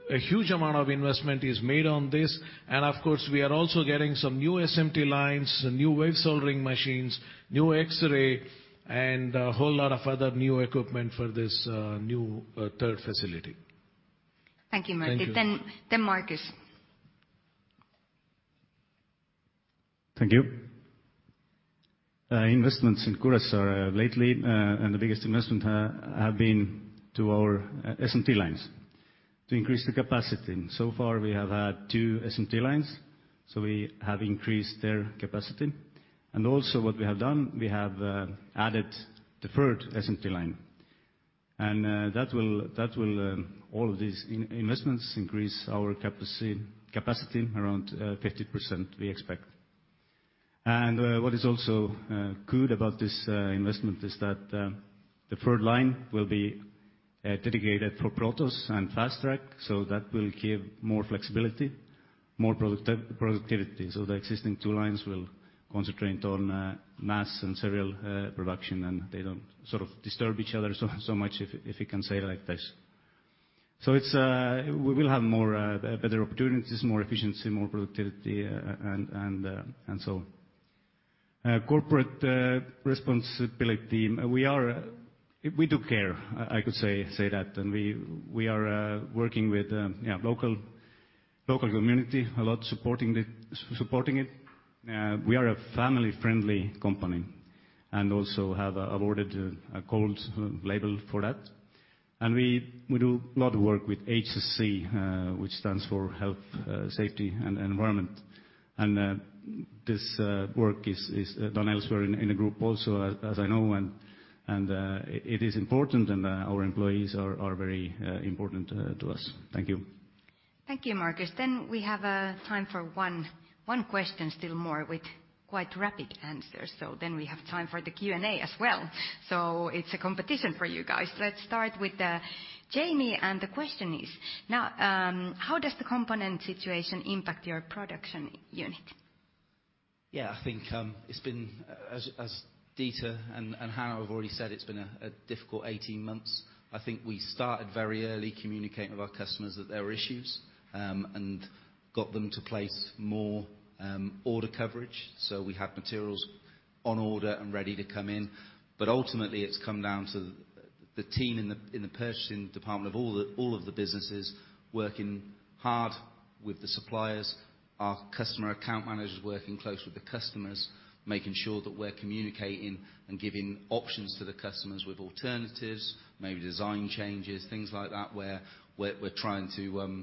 Huge amount of investment is made on this. Of course, we are also getting some new SMT lines, new wave soldering machines, new X-ray, and a whole lot of other new equipment for this new third facility.
Thank you, Murthy.
Thank you.
Then Margus.
Thank you. Investments in Kuressaare lately, the biggest investment have been to our SMT lines to increase the capacity. So far, we have had two SMT lines, so we have increased their capacity. Also what we have done, we have added the third SMT line. All of these investments increase our capacity around 50%, we expect. What is also good about this investment is that the third line will be dedicated for Prototypes and FastTrack, so that will give more flexibility, more productivity. The existing two lines will concentrate on mass and serial production, and they don't sort of disturb each other so much if you can say it like this. We will have better opportunities, more efficiency, and more productivity. Corporate responsibility. We do care, I could say that. We are working with local community a lot, supporting it. We are a family-friendly company and also have awarded a gold label for that. We do a lot of work with HSE, which stands for Health, Safety and Environment. This work is done elsewhere in the group also, as I know. It is important, and our employees are very important to us. Thank you.
Thank you, Margus. We have time for one question still more with quite rapid answers. We have time for the Q&A as well. It's a competition for you guys. Let's start with Jamie, and the question is, now, how does the component situation impact your production unit?
Yeah. I think it's been, as Dieter and Hanno have already said, it's been a difficult 18 months. I think we started very early communicating with our customers that there were issues and got them to place more order coverage, so we have materials on order and ready to come in. Ultimately, it's come down to the team in the purchasing department of all of the businesses working hard with the suppliers. Our customer account managers working close with the customers, making sure that we're communicating and giving options to the customers with alternatives, maybe design changes, things like that, where we're trying to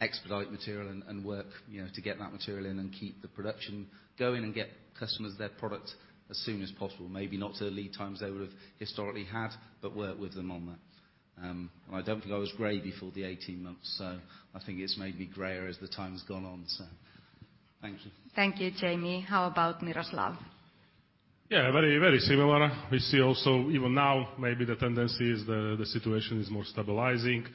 expedite material and work, you know, to get that material in and keep the production going and get customers their product as soon as possible. Maybe not to the lead times they would have historically had, but work with them on that. I don't think I was gray before the 18 months, so I think it's made me grayer as the time has gone on. Thank you.
Thank you, Jamie. How about Miroslav?
Yeah, very, very similar. We see also even now, maybe the tendency is the situation is more stabilizing. We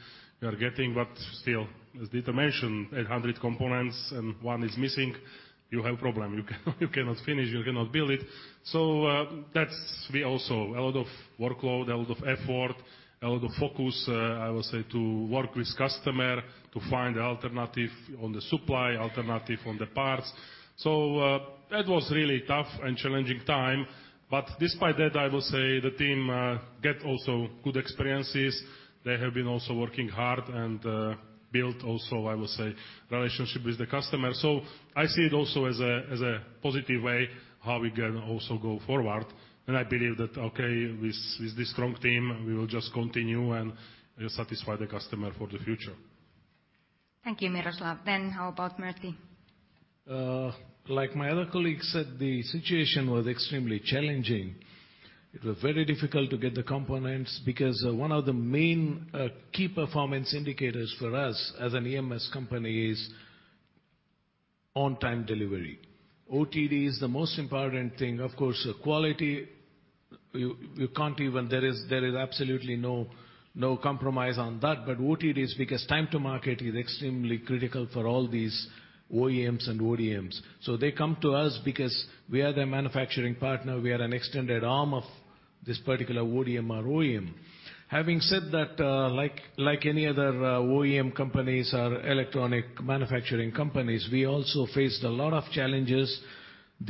are getting, but still, as Dieter mentioned, 100 components and one is missing, you have problem. You cannot finish, you cannot build it. That's we also. A lot of workload, a lot of effort, a lot of focus, I will say, to work with customer to find alternative on the supply, alternative on the parts. That was really tough and challenging time. Despite that, I will say the team get also good experiences. They have been also working hard and built also, I will say, relationship with the customer. I see it also as a positive way how we can also go forward. I believe that, okay, with this strong team, we will just continue and satisfy the customer for the future.
Thank you, Miroslav. How about Murthy?
Like my other colleagues said, the situation was extremely challenging. It was very difficult to get the components because one of the main key performance indicators for us as an EMS company is on-time delivery. OTD is the most important thing. Of course, quality. There is absolutely no compromise on that. OTD is because time to market is extremely critical for all these OEMs and ODMs. They come to us because we are their manufacturing partner. We are an extended arm of this particular ODM or OEM. Having said that, like any other OEM companies or electronic manufacturing companies, we also faced a lot of challenges. First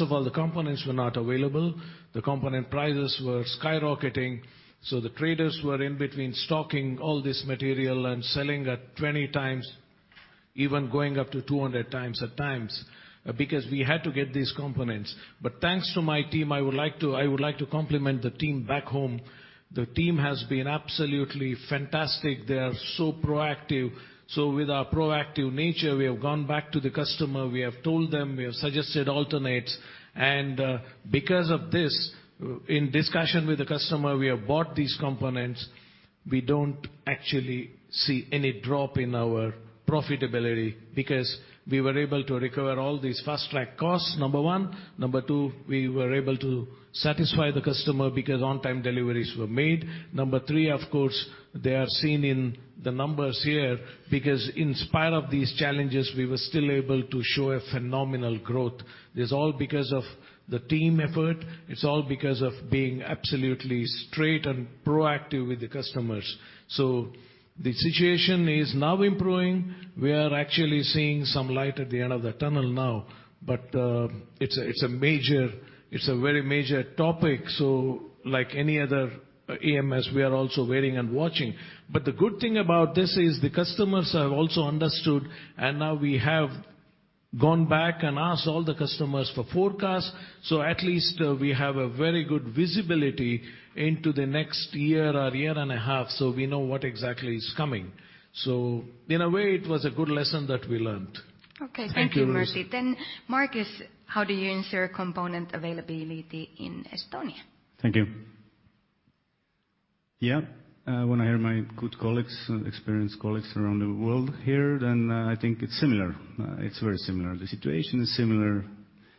of all, the components were not available. The component prices were skyrocketing. The traders were in between stocking all this material and selling at 20 times, even going up to 200 times at times, because we had to get these components. Thanks to my team, I would like to compliment the team back home. The team has been absolutely fantastic. They are so proactive. With our proactive nature, we have gone back to the customer, we have told them, we have suggested alternates. Because of this, in discussion with the customer, we have bought these components. We don't actually see any drop in our profitability because we were able to recover all these FastTrack costs, number one. Number two, we were able to satisfy the customer because on-time deliveries were made. Number three, of course, they are seen in the numbers here because in spite of these challenges, we were still able to show a phenomenal growth. It's all because of the team effort. It's all because of being absolutely straight and proactive with the customers. The situation is now improving. We are actually seeing some light at the end of the tunnel now. It's a very major topic. Like any other EMS, we are also waiting and watching. The good thing about this is the customers have also understood, and now we have gone back and asked all the customers for forecasts. At least we have a very good visibility into the next year or year and a half, so we know what exactly is coming. In a way, it was a good lesson that we learned.
Okay.
Thank you.
Thank you, Murthy. Margus, how do you ensure component availability in Estonia?
Thank you. Yeah, when I hear my good colleagues and experienced colleagues around the world here, then I think it's similar. It's very similar. The situation is similar,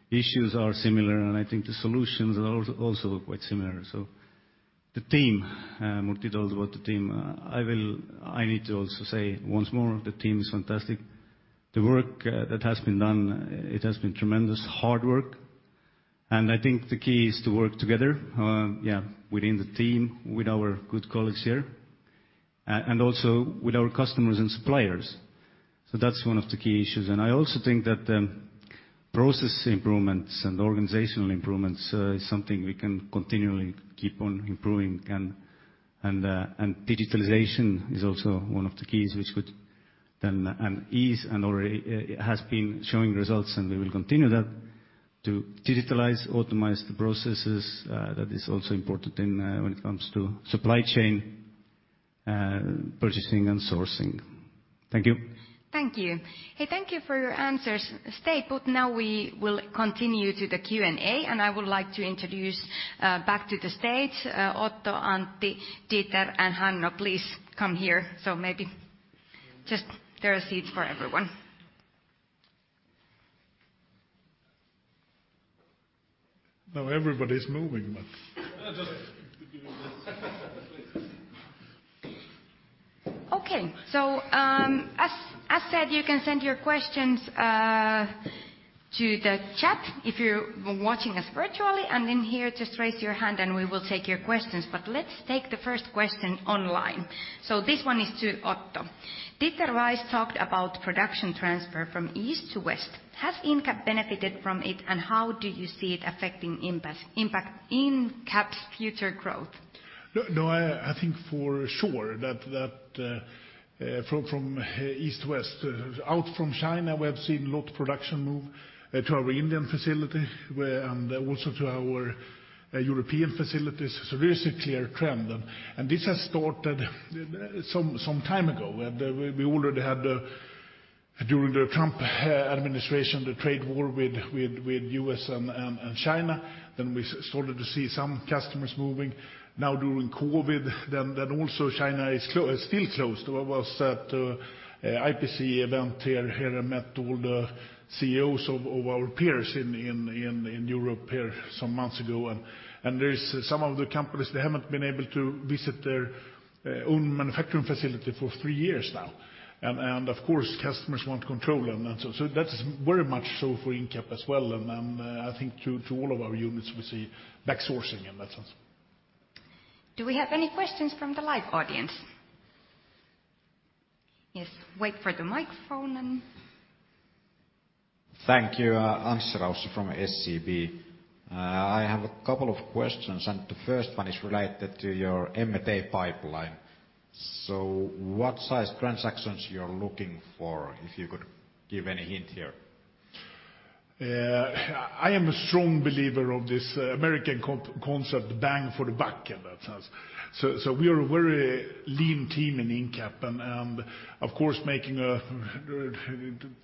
issues are similar, and I think the solutions are also quite similar. The team, Murthy told about the team, I need to also say once more, the team is fantastic. The work that has been done, it has been tremendous hard work, and I think the key is to work together, yeah, within the team, with our good colleagues here, and also with our customers and suppliers. That's one of the key issues. I also think that the process improvements and organizational improvements is something we can continually keep on improving, and digitalization is also one of the keys which would then ease and already has been showing results, and we will continue that to digitalize, automize the processes. That is also important in when it comes to supply chain, purchasing and sourcing. Thank you.
Thank you. Hey, thank you for your answers. Stay put. Now we will continue to the Q&A, and I would like to introduce back to the stage Otto, Antti, Dieter, and Hanno, please come here. Maybe just there are seats for everyone.
Now everybody's moving.
Okay. As said, you can send your questions to the chat if you're watching us virtually. In here, just raise your hand and we will take your questions. Let's take the first question online. This one is to Otto. Dieter Weiss talked about production transfer from East to West. Has Incap benefited from it, and how do you see it affecting Incap's future growth?
No, I think for sure that from East West out from China, we have seen a lot of production move to our Indian facility and also to our European facilities. There's a clear trend, and this has started some time ago. We already had during the Trump administration the trade war with the U.S. and China. We started to see some customers moving. Now during COVID, also China is still closed. I was at IPC event here. Here I met all the CEOs of our peers in Europe here some months ago. There is some of the companies, they haven't been able to visit their own manufacturing facility for three years now. Of course, customers want control and that. That's very much so for Incap as well. I think through to all of our units, we see back sourcing in that sense.
Do we have any questions from the live audience? Yes. Wait for the microphone.
Thank you. Hans Raukas from SEB. I have a couple of questions, and the first one is related to your M&A pipeline. What size transactions you're looking for, if you could give any hint here?
Yeah. I am a strong believer of this American concept, bang for the buck, in that sense. We are a very lean team in Incap. Of course, making a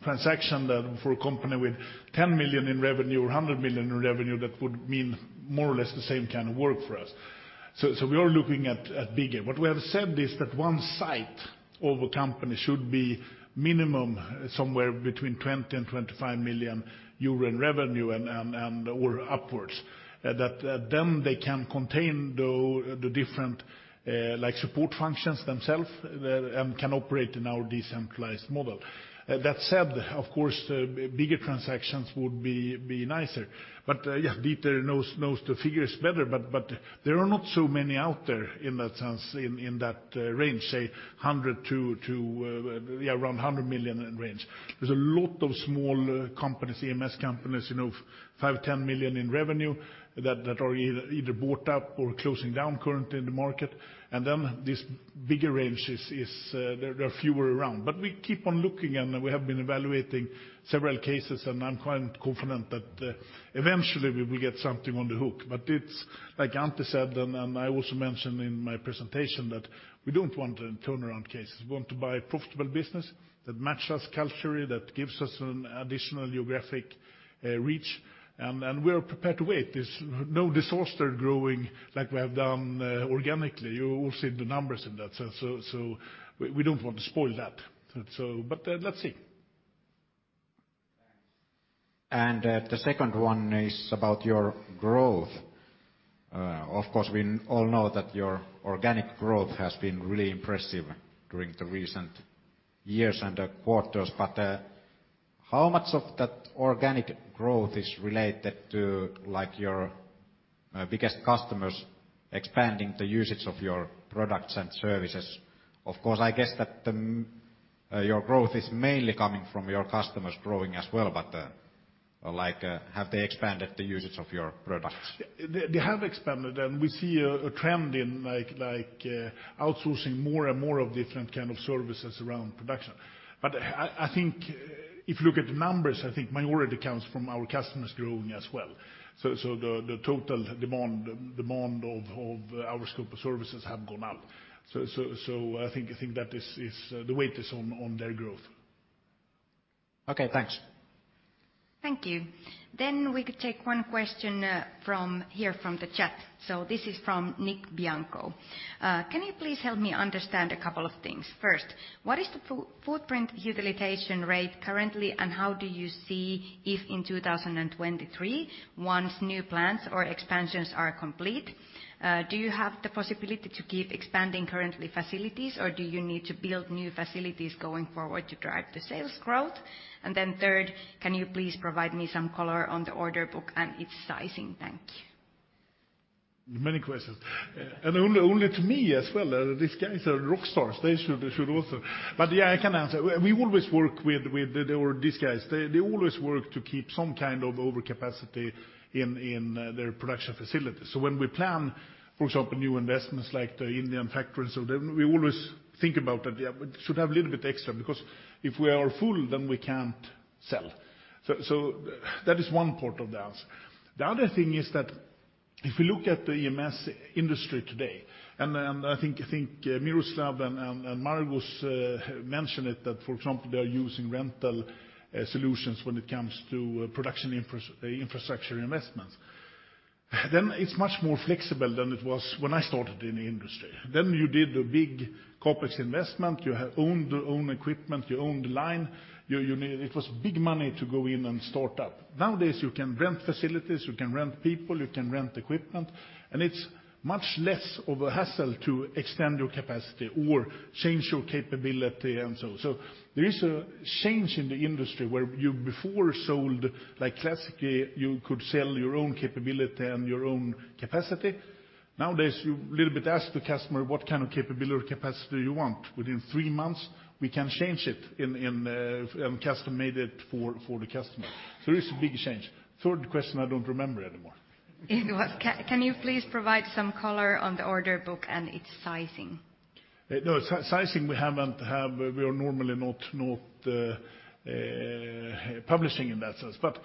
transaction then for a company with 10 million in revenue or 100 million in revenue, that would mean more or less the same kind of work for us. We are looking at bigger. What we have said is that one site of a company should be minimum somewhere between 20 million and 25 million euro in revenue or upwards. That then they can contain the different, like support functions themselves, and can operate in our decentralized model. That said, of course, bigger transactions would be nicer. Yeah, Dieter knows the figures better. There are not so many out there in that sense, in that range, say 100 million-around 100 million in range. There's a lot of small companies, EMS companies, you know, 5 million, 10 million in revenue that are either bought up or closing down currently in the market. This bigger range is, there are fewer around. We keep on looking, and we have been evaluating several cases, and I'm quite confident that eventually we will get something on the hook. It's like Antti said, and I also mentioned in my presentation, that we don't want the turnaround cases. We want to buy profitable business that matches us culturally, that gives us an additional geographic reach, and we are prepared to wait. There's no disaster growing like we have done organically. You all seen the numbers in that sense. We don't want to spoil that. Let's see.
The second one is about your growth. Of course, we all know that your organic growth has been really impressive during the recent years and quarters. How much of that organic growth is related to, like, your biggest customers expanding the usage of your products and services? Of course, I guess that your growth is mainly coming from your customers growing as well. Like, have they expanded the usage of your products?
Yeah. They have expanded, and we see a trend in, like, outsourcing more and more of different kind of services around production. I think if you look at the numbers, I think majority comes from our customers growing as well. The total demand of our scope of services have gone up. I think that is the weight is on their growth.
Okay, thanks.
Thank you. We could take one question from here from the chat. This is from Nick Bianco. Can you please help me understand a couple of things? First, what is the footprint utilization rate currently, and how do you see if in 2023, once new plants or expansions are complete, do you have the possibility to keep expanding current facilities or do you need to build new facilities going forward to drive the sales growth? Third, can you please provide me some color on the order book and its sizing? Thank you.
Many questions. Only to me as well. These guys are rock stars. They should also. Yeah, I can answer. These guys, they always work to keep some kind of overcapacity in their production facilities. When we plan, for example, new investments like the Indian factory, we always think about that. Yeah, we should have a little bit extra because if we are full, then we can't sell. That is one part of the answer. The other thing is that if you look at the EMS industry today, I think Miroslav and Margus mentioned it that, for example, they are using rental solutions when it comes to production infrastructure investments. It's much more flexible than it was when I started in the industry. You did a big CapEx investment. You owned your own equipment. You owned the line. It was big money to go in and start up. Nowadays, you can rent facilities. You can rent people. You can rent equipment, and it's much less of a hassle to extend your capacity or change your capability and so. There is a change in the industry where you before sold, like classically you could sell your own capability and your own capacity. Nowadays, you little bit ask the customer what kind of capability or capacity you want. Within three months, we can change it and custom-made it for the customer. There is a big change. Third question I don't remember anymore.
Can you please provide some color on the order book and its sizing?
No. We are normally not publishing in that sense, but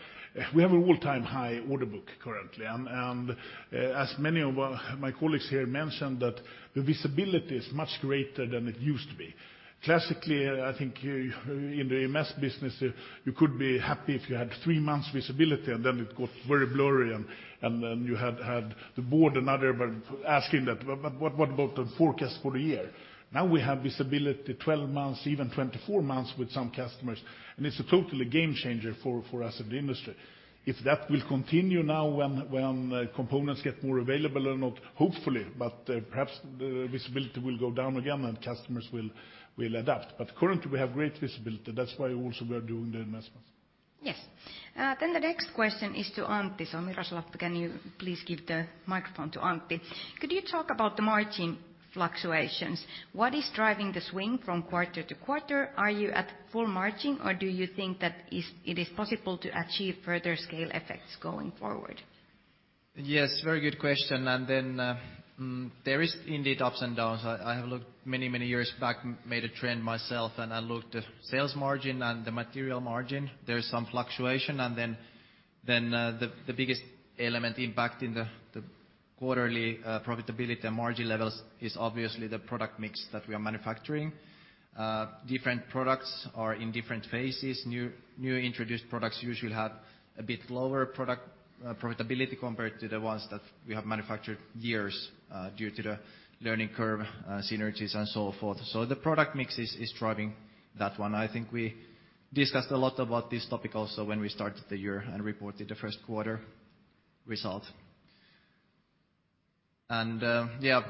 we have an all-time high order book currently. As many of my colleagues here mentioned that the visibility is much greater than it used to be. Classically, I think, in the EMS business you could be happy if you had three months visibility. It got very blurry. You had the board and other asking that, what about the forecast for the year? Now we have visibility 12 months, even 24 months with some customers. It's a totally game changer for us in the industry. If that will continue now when components get more available or not, hopefully, but perhaps the visibility will go down again and customers will adapt. Currently we have great visibility. That's why also we are doing the investments.
Yes. The next question is to Antti. Miroslav, can you please give the microphone to Antti? Could you talk about the margin fluctuations? What is driving the swing from quarter to quarter? Are you at full margin, or do you think it is possible to achieve further scale effects going forward?
Yes, very good question. There is indeed ups and downs. I have looked many, many years back, made a trend myself, and I looked at sales margin and the material margin. There is some fluctuation. The biggest element impacting the quarterly profitability and margin levels is obviously the product mix that we are manufacturing. Different products are in different phases. New introduced products usually have a bit lower product profitability compared to the ones that we have manufactured years due to the learning curve, synergies and so forth. The product mix is driving that one. I think we discussed a lot about this topic also when we started the year and reported the first quarter results. Yeah,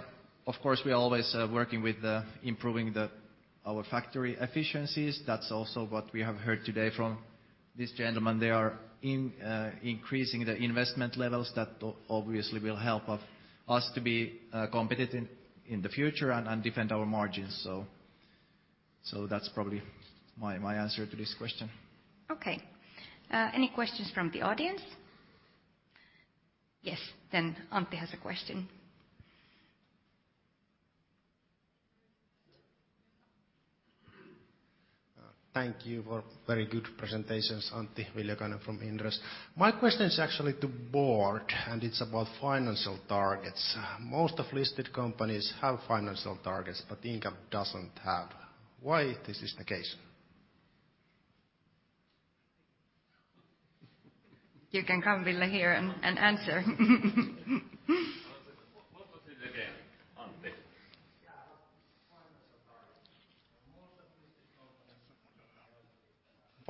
of course, we are always working with improving our factory efficiencies. That's also what we have heard today from this gentleman. They are increasing the investment levels that obviously will help of us to be competitive in the future and defend our margins. That's probably my answer to this question.
Okay. Any questions from the audience? Yes. Antti has a question.
Thank you for very good presentations. Antti Viljakainen from Inderes. My question is actually to Board, and it's about financial targets. Most of listed companies have financial targets, but Incap doesn't have. Why this is the case?
You can come, Ville, here and answer.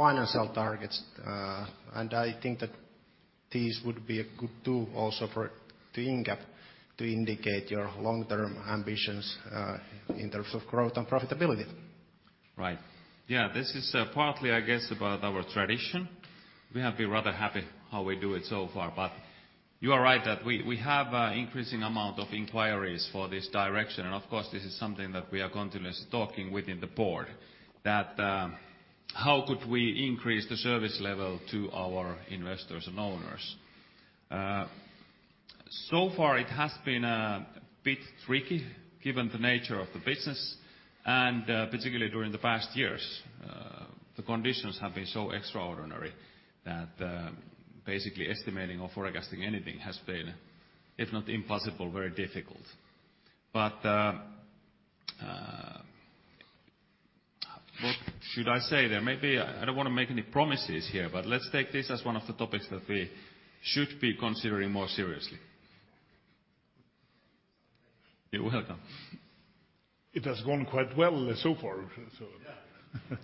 Financial targets. I think that these would be a good tool also to Incap to indicate your long-term ambitions in terms of growth and profitability.
Right. Yeah. This is partly, I guess, about our tradition. We have been rather happy how we do it so far, but you are right that we have an increasing amount of inquiries for this direction. Of course, this is something that we are continuously talking within the Board, that how could we increase the service level to our investors and owners. So far it has been a bit tricky given the nature of the business and particularly during the past years. The conditions have been so extraordinary that basically estimating or forecasting anything has been, if not impossible, very difficult. What should I say there? Maybe, I don't wanna make any promises here, but let's take this as one of the topics that we should be considering more seriously. You're welcome.
It has gone quite well so far.
Yeah.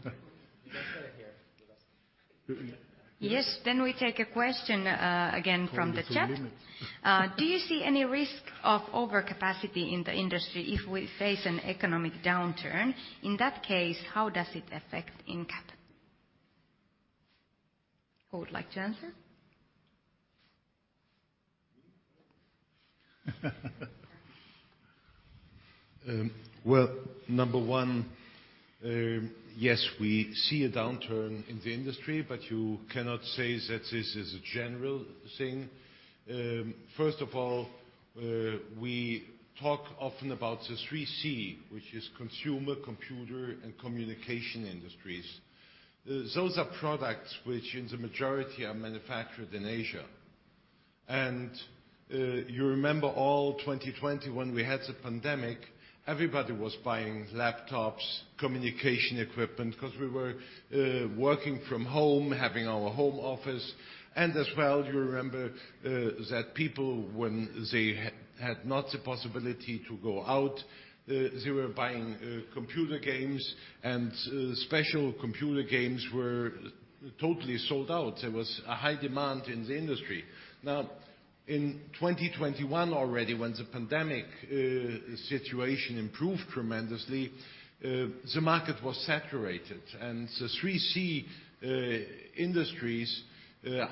Yes. We take a question again from the chat. Do you see any risk of overcapacity in the industry if we face an economic downturn? In that case, how does it affect Incap? Who would like to answer?
Well, number one, yes, we see a downturn in the industry, but you cannot say that this is a general thing. First of all, we talk often about the three Cs, which is consumer, computer, and communication industries. Those are products which in the majority are manufactured in Asia. You remember all 2020 when we had the pandemic, everybody was buying laptops, communication equipment because we were working from home, having our home office. As well, you remember that people when they had not the possibility to go out, they were buying computer games and special computer games were totally sold out. There was a high demand in the industry. Now, in 2021 already, when the pandemic situation improved tremendously, the market was saturated, and the three Cs industries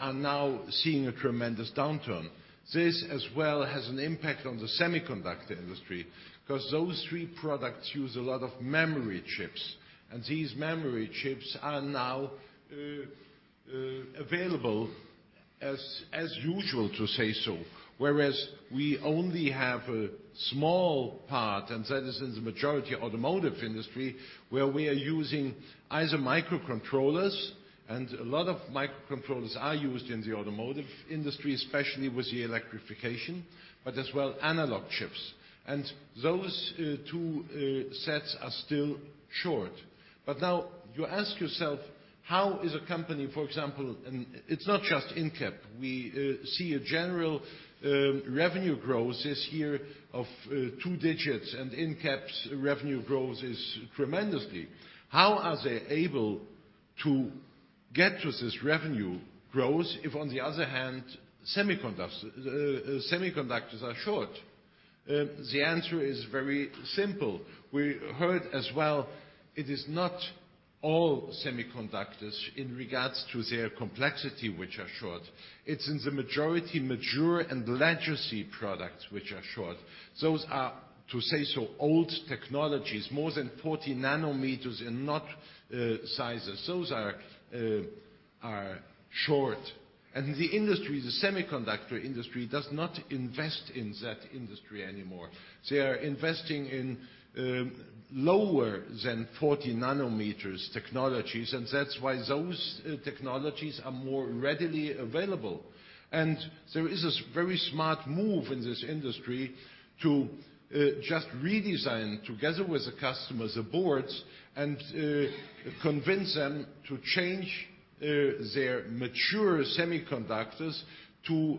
are now seeing a tremendous downturn. This as well has an impact on the semiconductor industry because those three products use a lot of memory chips, and these memory chips are now available as usual, to say so. Whereas we only have a small part, and that is in the majority automotive industry, where we are using either microcontrollers and a lot of microcontrollers are used in the automotive industry, especially with the electrification, but as well analog chips. Those two sets are still short. Now you ask yourself, how is a company, for example, and it's not just Incap. We see a general revenue growth this year of two digits, and Incap's revenue growth is tremendously. How are they able to get to this revenue growth if on the other hand, semiconductors are short? The answer is very simple. We heard as well it is not all semiconductors in regards to their complexity, which are short. It's in the majority mature and legacy products which are short. Those are, to say so, old technologies, more than 40 nanometers and not sizes. Those are short. The industry, the semiconductor industry, does not invest in that industry anymore. They are investing in lower than 40 nanometers technologies, and that's why those technologies are more readily available. There is this very smart move in this industry to just redesign together with the customers the boards and convince them to change their mature semiconductors to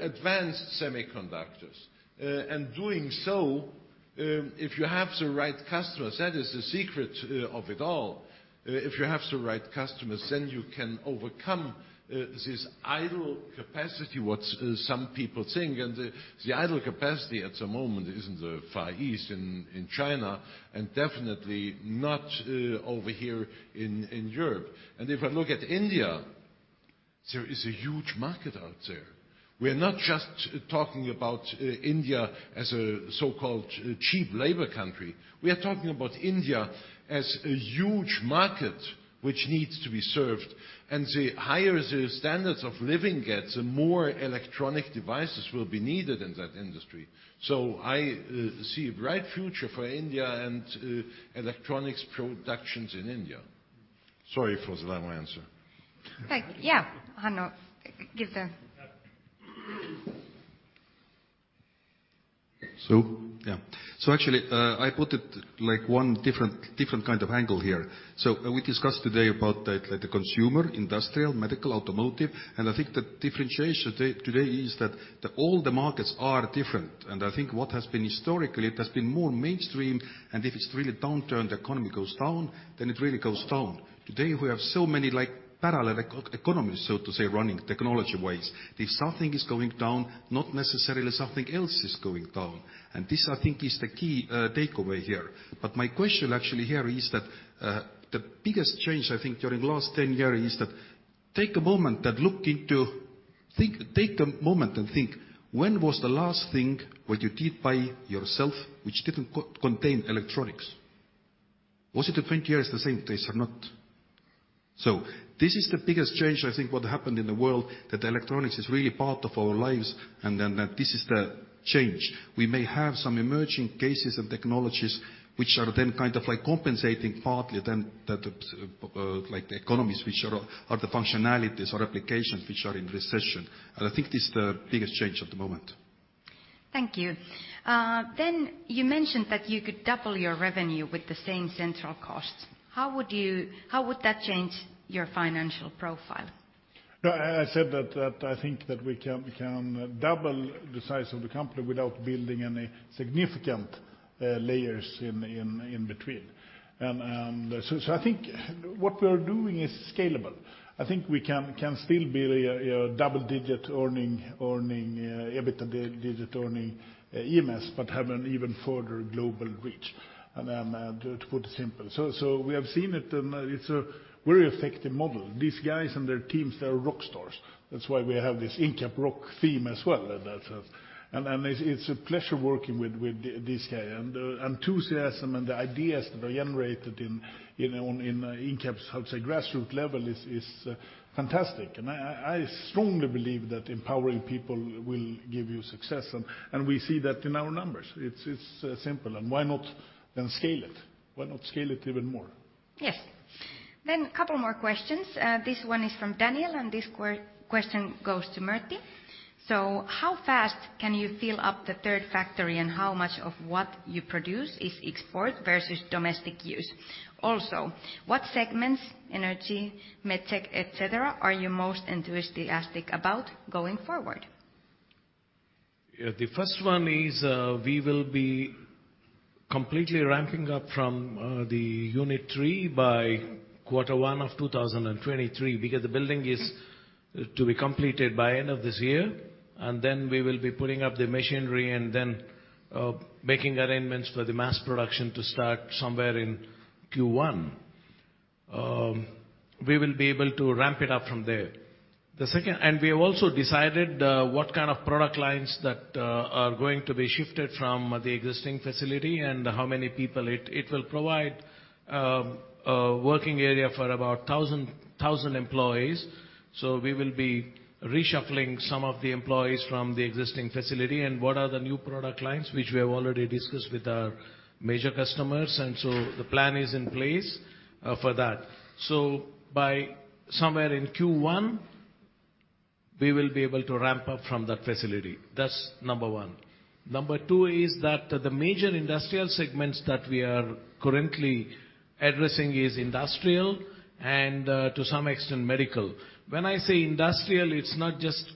advanced semiconductors. Doing so, if you have the right customers, that is the secret of it all. If you have the right customers, then you can overcome this idle capacity, what some people think. The idle capacity at the moment is in the Far East, in China, and definitely not over here in Europe. If I look at India, there is a huge market out there. We're not just talking about India as a so-called cheap labor country. We are talking about India as a huge market which needs to be served. The higher the standards of living gets, the more electronic devices will be needed in that industry. I see a bright future for India and electronics productions in India. Sorry for the long answer.
Yeah. Hanno, give the.
Yeah. Actually, I put it like one different kind of angle here. We discussed today about the, like the consumer, industrial, medical, automotive, and I think the differentiation today is that all the markets are different. I think what has been historically, it has been more mainstream, and if it's really downturned, the economy goes down, then it really goes down. Today, we have so many like parallel eco-economies, so to say, running technology-wise. If something is going down, not necessarily something else is going down, and this, I think, is the key takeaway here. My question actually here is that the biggest change, I think, during last 10 year is that take a moment and think, when was the last thing what you did by yourself which didn't contain electronics? Was it the 20 years the same? These are not. This is the biggest change, I think, what happened in the world, that electronics is really part of our lives, and then that this is the change. We may have some emerging cases of technologies which are then kind of like compensating partly then that, like, the economies which are the functionalities or applications which are in recession. I think this is the biggest change at the moment.
Thank you. You mentioned that you could double your revenue with the same central costs. How would that change your financial profile?
No, I said that I think that we can double the size of the company without building any significant layers in between. I think what we're doing is scalable. I think we can still be a double-digit earning, EBITDA digit earning EMS but have an even further global reach to put it simple. We have seen it, and it's a very effective model. These guys and their teams, they are rock stars. That's why we have this Incap Rock theme as well. It's a pleasure working with these guys. The enthusiasm and the ideas that are generated in Incap's, how to say, grassroot level is fantastic. I strongly believe that empowering people will give you success, and we see that in our numbers. It's simple, and why not then scale it? Why not scale it even more?
Yes. A couple more questions. This one is from Daniel, and this question goes to Murthy. How fast can you fill up the third factory, and how much of what you produce is export versus domestic use? Also, what segments, energy, medtech, et cetera, are you most enthusiastic about going forward?
Yeah, the first one is we will be completely ramping up from the unit three by quarter one of 2023 because the building is to be completed by end of this year. We will be putting up the machinery and then making arrangements for the mass production to start somewhere in Q1. We will be able to ramp it up from there. We have also decided what kind of product lines that are going to be shifted from the existing facility and how many people it will provide working area for about 1,000 employees. We will be reshuffling some of the employees from the existing facility. What are the new product lines, which we have already discussed with our major customers. The plan is in place for that. By somewhere in Q1, we will be able to ramp up from that facility. That's number one. Number two is that the major industrial segments that we are currently addressing is industrial and to some extent medical. When I say industrial, it's not just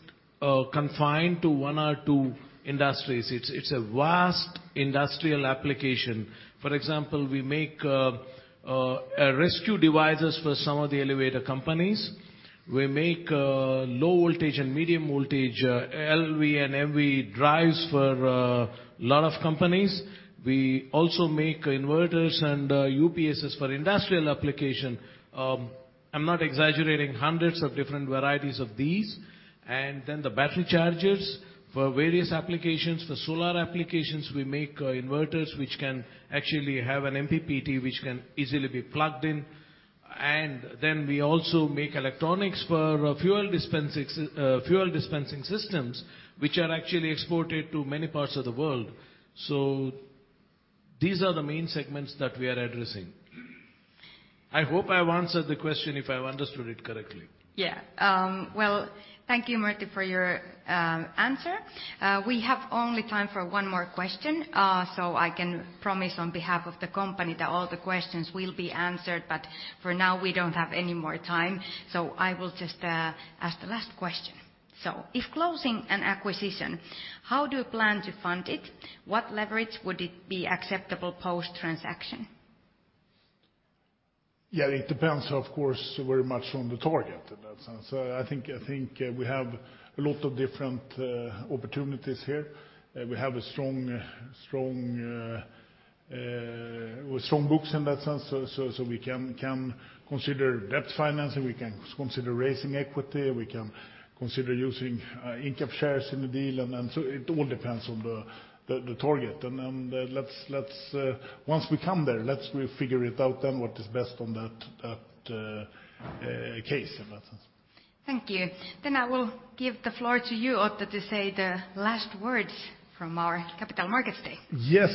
confined to one or two industries. It's a vast industrial application. For example, we make rescue devices for some of the elevator companies. We make low voltage and medium voltage, L.V. and M.V. drives for lot of companies. We also make inverters and UPSs for industrial application. I'm not exaggerating, hundreds of different varieties of these. The battery chargers for various applications. For solar applications, we make inverters which can actually have an MPPT which can easily be plugged in. We also make electronics for fuel dispensing systems, which are actually exported to many parts of the world. These are the main segments that we are addressing. I hope I have answered the question if I've understood it correctly.
Yeah. Well, thank you, Murthy, for your answer. We have only time for one more question. I can promise on behalf of the company that all the questions will be answered, but for now we don't have any more time. I will just ask the last question. If closing an acquisition, how do you plan to fund it? What leverage would it be acceptable post-transaction?
Yeah, it depends, of course, very much on the target in that sense. I think we have a lot of different opportunities here. We have strong books in that sense, so we can consider debt financing. We can consider raising equity. We can consider using Incap shares in the deal. It all depends on the target. Once we come there, let's we figure it out then what is best on that case in that sense.
Thank you. I will give the floor to you, Otto, to say the last words from our Capital Markets Day.
Yes.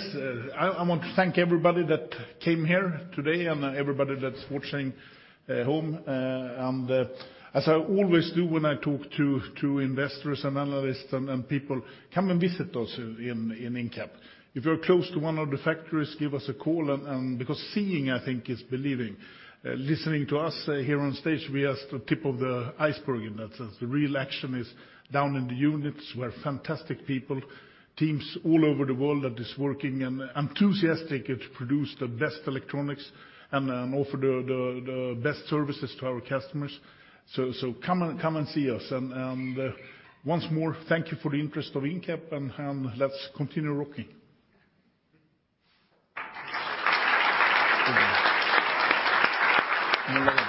I want to thank everybody that came here today and everybody that's watching home. As I always do when I talk to investors and analysts and people, come and visit us in Incap. If you're close to one of the factories, give us a call because seeing, I think, is believing. Listening to us here on stage, we are the tip of the iceberg in that sense. The real action is down in the units, where fantastic people, teams all over the world that is working and enthusiastic. It produce the best electronics and offer the best services to our customers. Come and see us. Once more, thank you for the interest of Incap, and let's continue rocking. No problem.